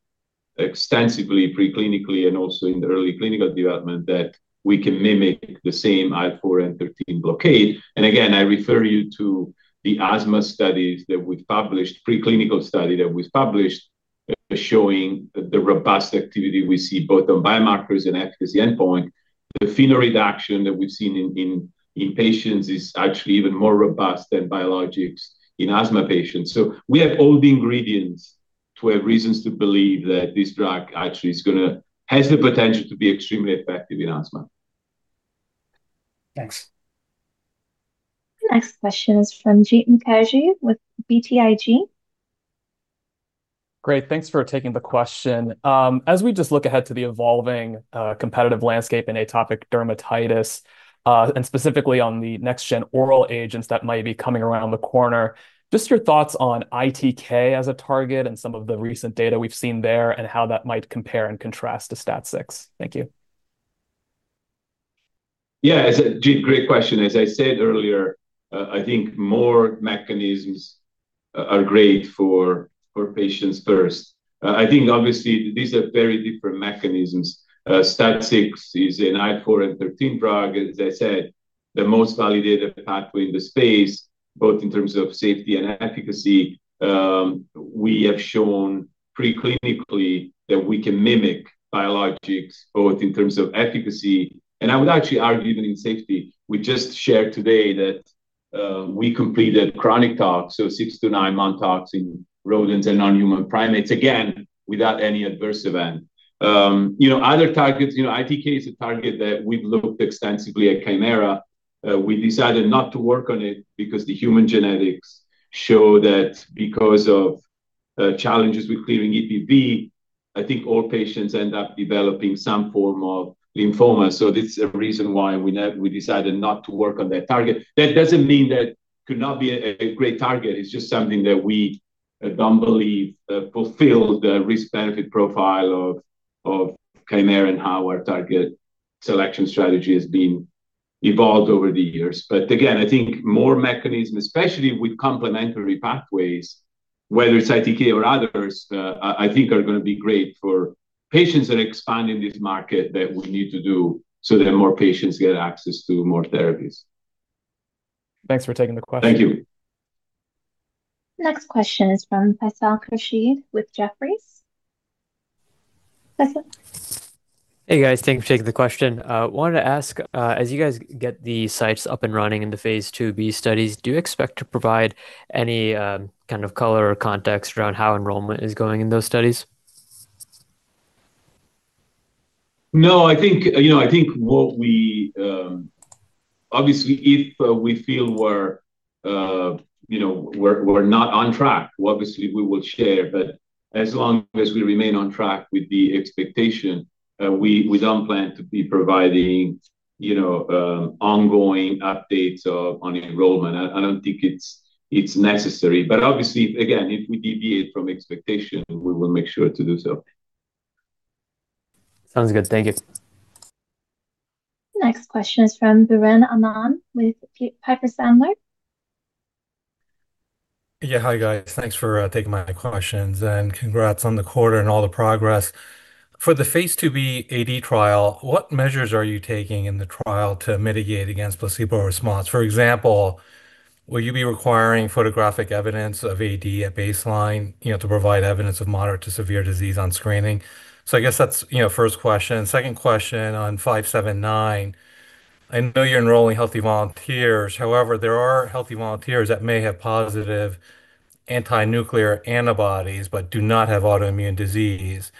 extensively preclinically and also in the early clinical development, that we can mimic the same IL-4 and IL-13 blockade. Again, I refer you to the asthma studies that we've published, preclinical study that we've published, showing the robust activity we see both on biomarkers and efficacy endpoint. The FeNO reduction that we've seen in patients is actually even more robust than biologics in asthma patients. we have all the ingredients to have reasons to believe that this drug actually has the potential to be extremely effective in asthma. Thanks. Next question is from Jeet Mukherjee with BTIG. Great, thanks for taking the question. As we just look ahead to the evolving, competitive landscape in atopic dermatitis, and specifically on the next gen oral agents that might be coming around the corner, just your thoughts on ITK as a target and some of the recent data we've seen there, and how that might compare and contrast to STAT6. Thank you. It's a Jeet, great question. As I said earlier, I think more mechanisms are great for patients first. I think obviously, these are very different mechanisms. STAT6 is an IL-4 and IL-13 drug, as I said, the most validated pathway in the space, both in terms of safety and efficacy. We have shown preclinically that we can mimic biologics, both in terms of efficacy, and I would actually argue that in safety. We just shared today that we completed chronic talks, so 6-9 month talks in rodents and non-human primates, again, without any adverse event. You know, other targets, you know, ITK is a target that we've looked extensively at Kymera. We decided not to work on it because the human genetics show that because of challenges with clearing EBV, I think all patients end up developing some form of lymphoma. This is a reason why we decided not to work on that target. That doesn't mean that it could not be a great target. It's just something that we don't believe fulfill the risk/benefit profile of Kymera and how our target selection strategy has been evolved over the years. Again, I think more mechanism, especially with complementary pathways, whether it's ITK or others, I think are gonna be great for patients and expanding this market that we need to do so that more patients get access to more therapies. Thanks for taking the question. Thank you. Next question is from Faisal Rashid, with Jefferies. Faisal? Hey, guys, thank you for taking the question. Wanted to ask, as you guys get the sites up and running in the phase IIb studies, do you expect to provide any kind of color or context around how enrollment is going in those studies? No, I think, you know, Obviously, if we feel we're, you know, not on track, obviously, we will share. As long as we remain on track with the expectation, we don't plan to be providing, you know, ongoing updates on enrollment. I don't think it's necessary, obviously, again, if we deviate from expectation, we will make sure to do so. Sounds good. Thank you. Next question is from Edward Tenthoff with Piper Sandler. Yeah, hi, guys. Thanks for taking my questions. Congrats on the quarter and all the progress. For the phase IIb AD trial, what measures are you taking in the trial to mitigate against placebo response? For example, will you be requiring photographic evidence of AD at baseline, you know, to provide evidence of moderate to severe disease on screening? I guess that's, you know, first question. Second question, on KT-579, I know you're enrolling healthy volunteers, however, there are healthy volunteers that may have positive antinuclear antibodies but do not have autoimmune disease.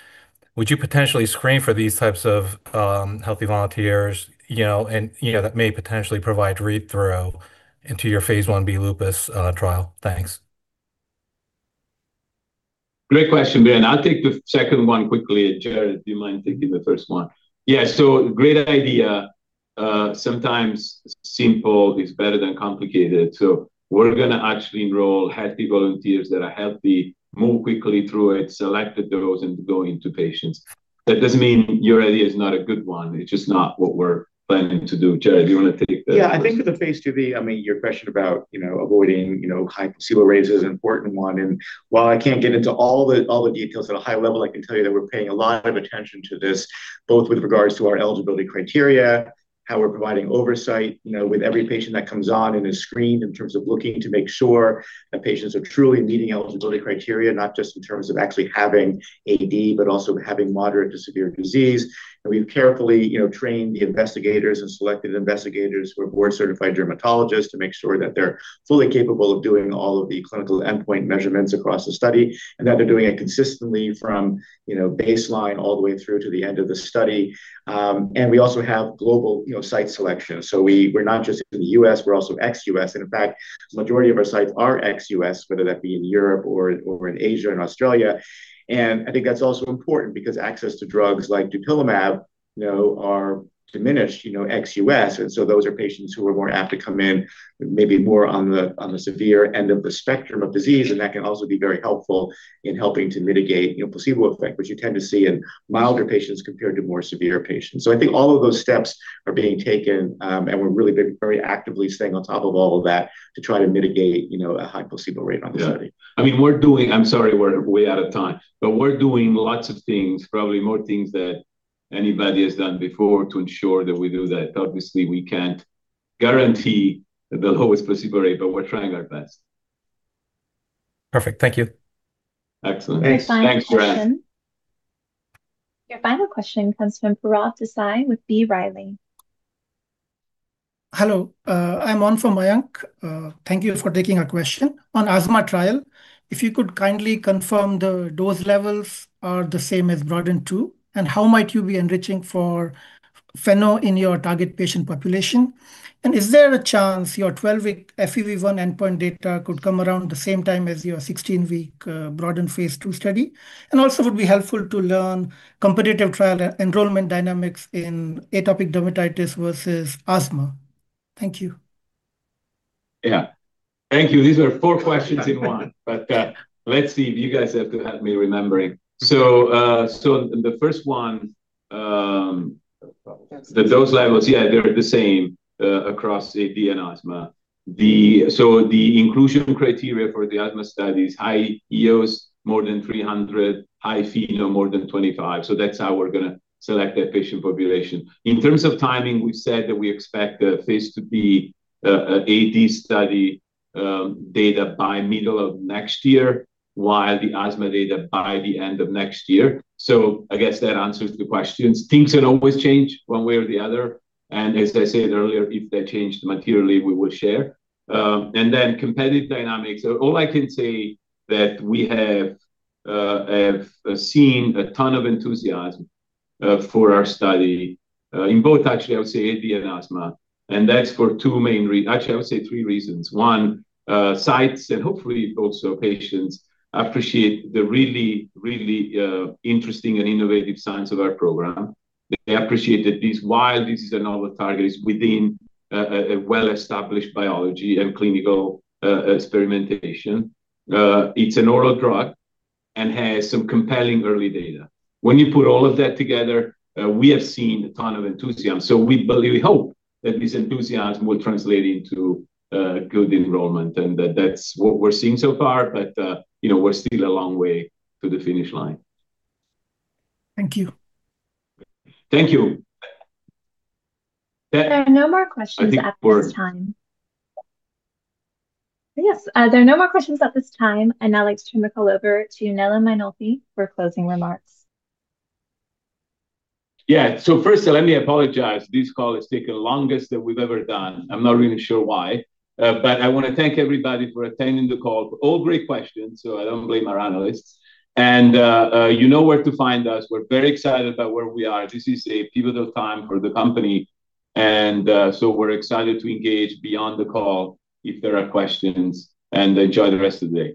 Would you potentially screen for these types of healthy volunteers, you know, and, you know, that may potentially provide read-through into your phase Ib lupus trial? Thanks. Great question, Edward. I'll take the second one quickly. Jared, do you mind taking the first one? Yeah, great idea. Sometimes simple is better than complicated. We're going to actually enroll healthy volunteers that are healthy, move quickly through it, select the dose, and go into patients. That doesn't mean your idea is not a good one, it's just not what we're planning to do. Jared, do you want to take the first one? Yeah, I think with the phase IIb, I mean, your question about, you know, avoiding, you know, high placebo rate is an important one, and while I can't get into all the, all the details at a high level, I can tell you that we're paying a lot of attention to this, both with regards to our eligibility criteria, how we're providing oversight, you know, with every patient that comes on and is screened in terms of looking to make sure that patients are truly meeting eligibility criteria, not just in terms of actually having AD, but also having moderate to severe disease. We've carefully, you know, trained the investigators and selected investigators who are board-certified dermatologists to make sure that they're fully capable of doing all of the clinical endpoint measurements across the study, that they're doing it consistently from, you know, baseline all the way through to the end of the study. We also have global, you know, site selection. We're not just in the U.S., we're also ex-U.S.. In fact, majority of our sites are ex-US, whether that be in Europe or in Asia and Australia. I think that's also important because access to drugs like dupilumab, you know, are diminished, you know, ex-US, and so those are patients who are more apt to come in, maybe more on the, on the severe end of the spectrum of disease, and that can also be very helpful in helping to mitigate, you know, placebo effect, which you tend to see in milder patients compared to more severe patients. I think all of those steps are being taken, and we're really very actively staying on top of all of that to try to mitigate, you know, a high placebo rate on the study. Yeah. I mean, I'm sorry, we're way out of time, but we're doing lots of things, probably more things than anybody has done before, to ensure that we do that. Obviously, we can't guarantee the lowest placebo rate, but we're trying our best. Perfect. Thank you. Excellent. Thanks. The final question. Thanks, Buren. Your final question comes from Kalpit Patel with B. Riley. Hello, I'm on from Mayank. Thank you for taking our question. On asthma trial, if you could kindly confirm the dose levels are the same as BROADEN2, and how might you be enriching for FeNO in your target patient population? Is there a chance your 12-week FEV1 endpoint data could come around the same time as your 16-week BROADEN phase II study? Also, it would be helpful to learn competitive trial enrollment dynamics in atopic dermatitis versus asthma. Thank you. Yeah. Thank you. These are four questions in one. Let's see. You guys have to help me remembering. The first one. Dose levels. The dose levels, yeah, they're the same across AD and asthma. The inclusion criteria for the asthma study is high eos, more than 300, high FeNO, more than 25, that's how we're going to select that patient population. In terms of timing, we said that we expect the phase IIb AD study data by middle of next year, while the asthma data by the end of next year. I guess that answers the questions. Things can always change one way or the other, as I said earlier, if they change materially, we will share. Then competitive dynamics. All I can say that we have seen a ton of enthusiasm for our study in both actually, I would say AD and asthma, that's for 2 main actually, I would say 3 reasons. One, sites, and hopefully also patients, appreciate the really, interesting and innovative science of our program. They appreciate that this, while this is a novel target, is within a well-established biology and clinical experimentation. It's an oral drug and has some compelling early data. When you put all of that together, we have seen a ton of enthusiasm, so we hope that this enthusiasm will translate into good enrollment, and that's what we're seeing so far. You know, we're still a long way to the finish line. Thank you. Thank you. There are no more questions at this time. I think we're- Yes, there are no more questions at this time, and I'd like to turn the call over to Nello Mainolfi for closing remarks. Yeah. Firstly, let me apologize, this call has taken the longest that we've ever done. I'm not really sure why. I want to thank everybody for attending the call. All great questions, so I don't blame our analysts. You know where to find us. We're very excited about where we are. This is a pivotal time for the company, we're excited to engage beyond the call if there are questions, and enjoy the rest of the day.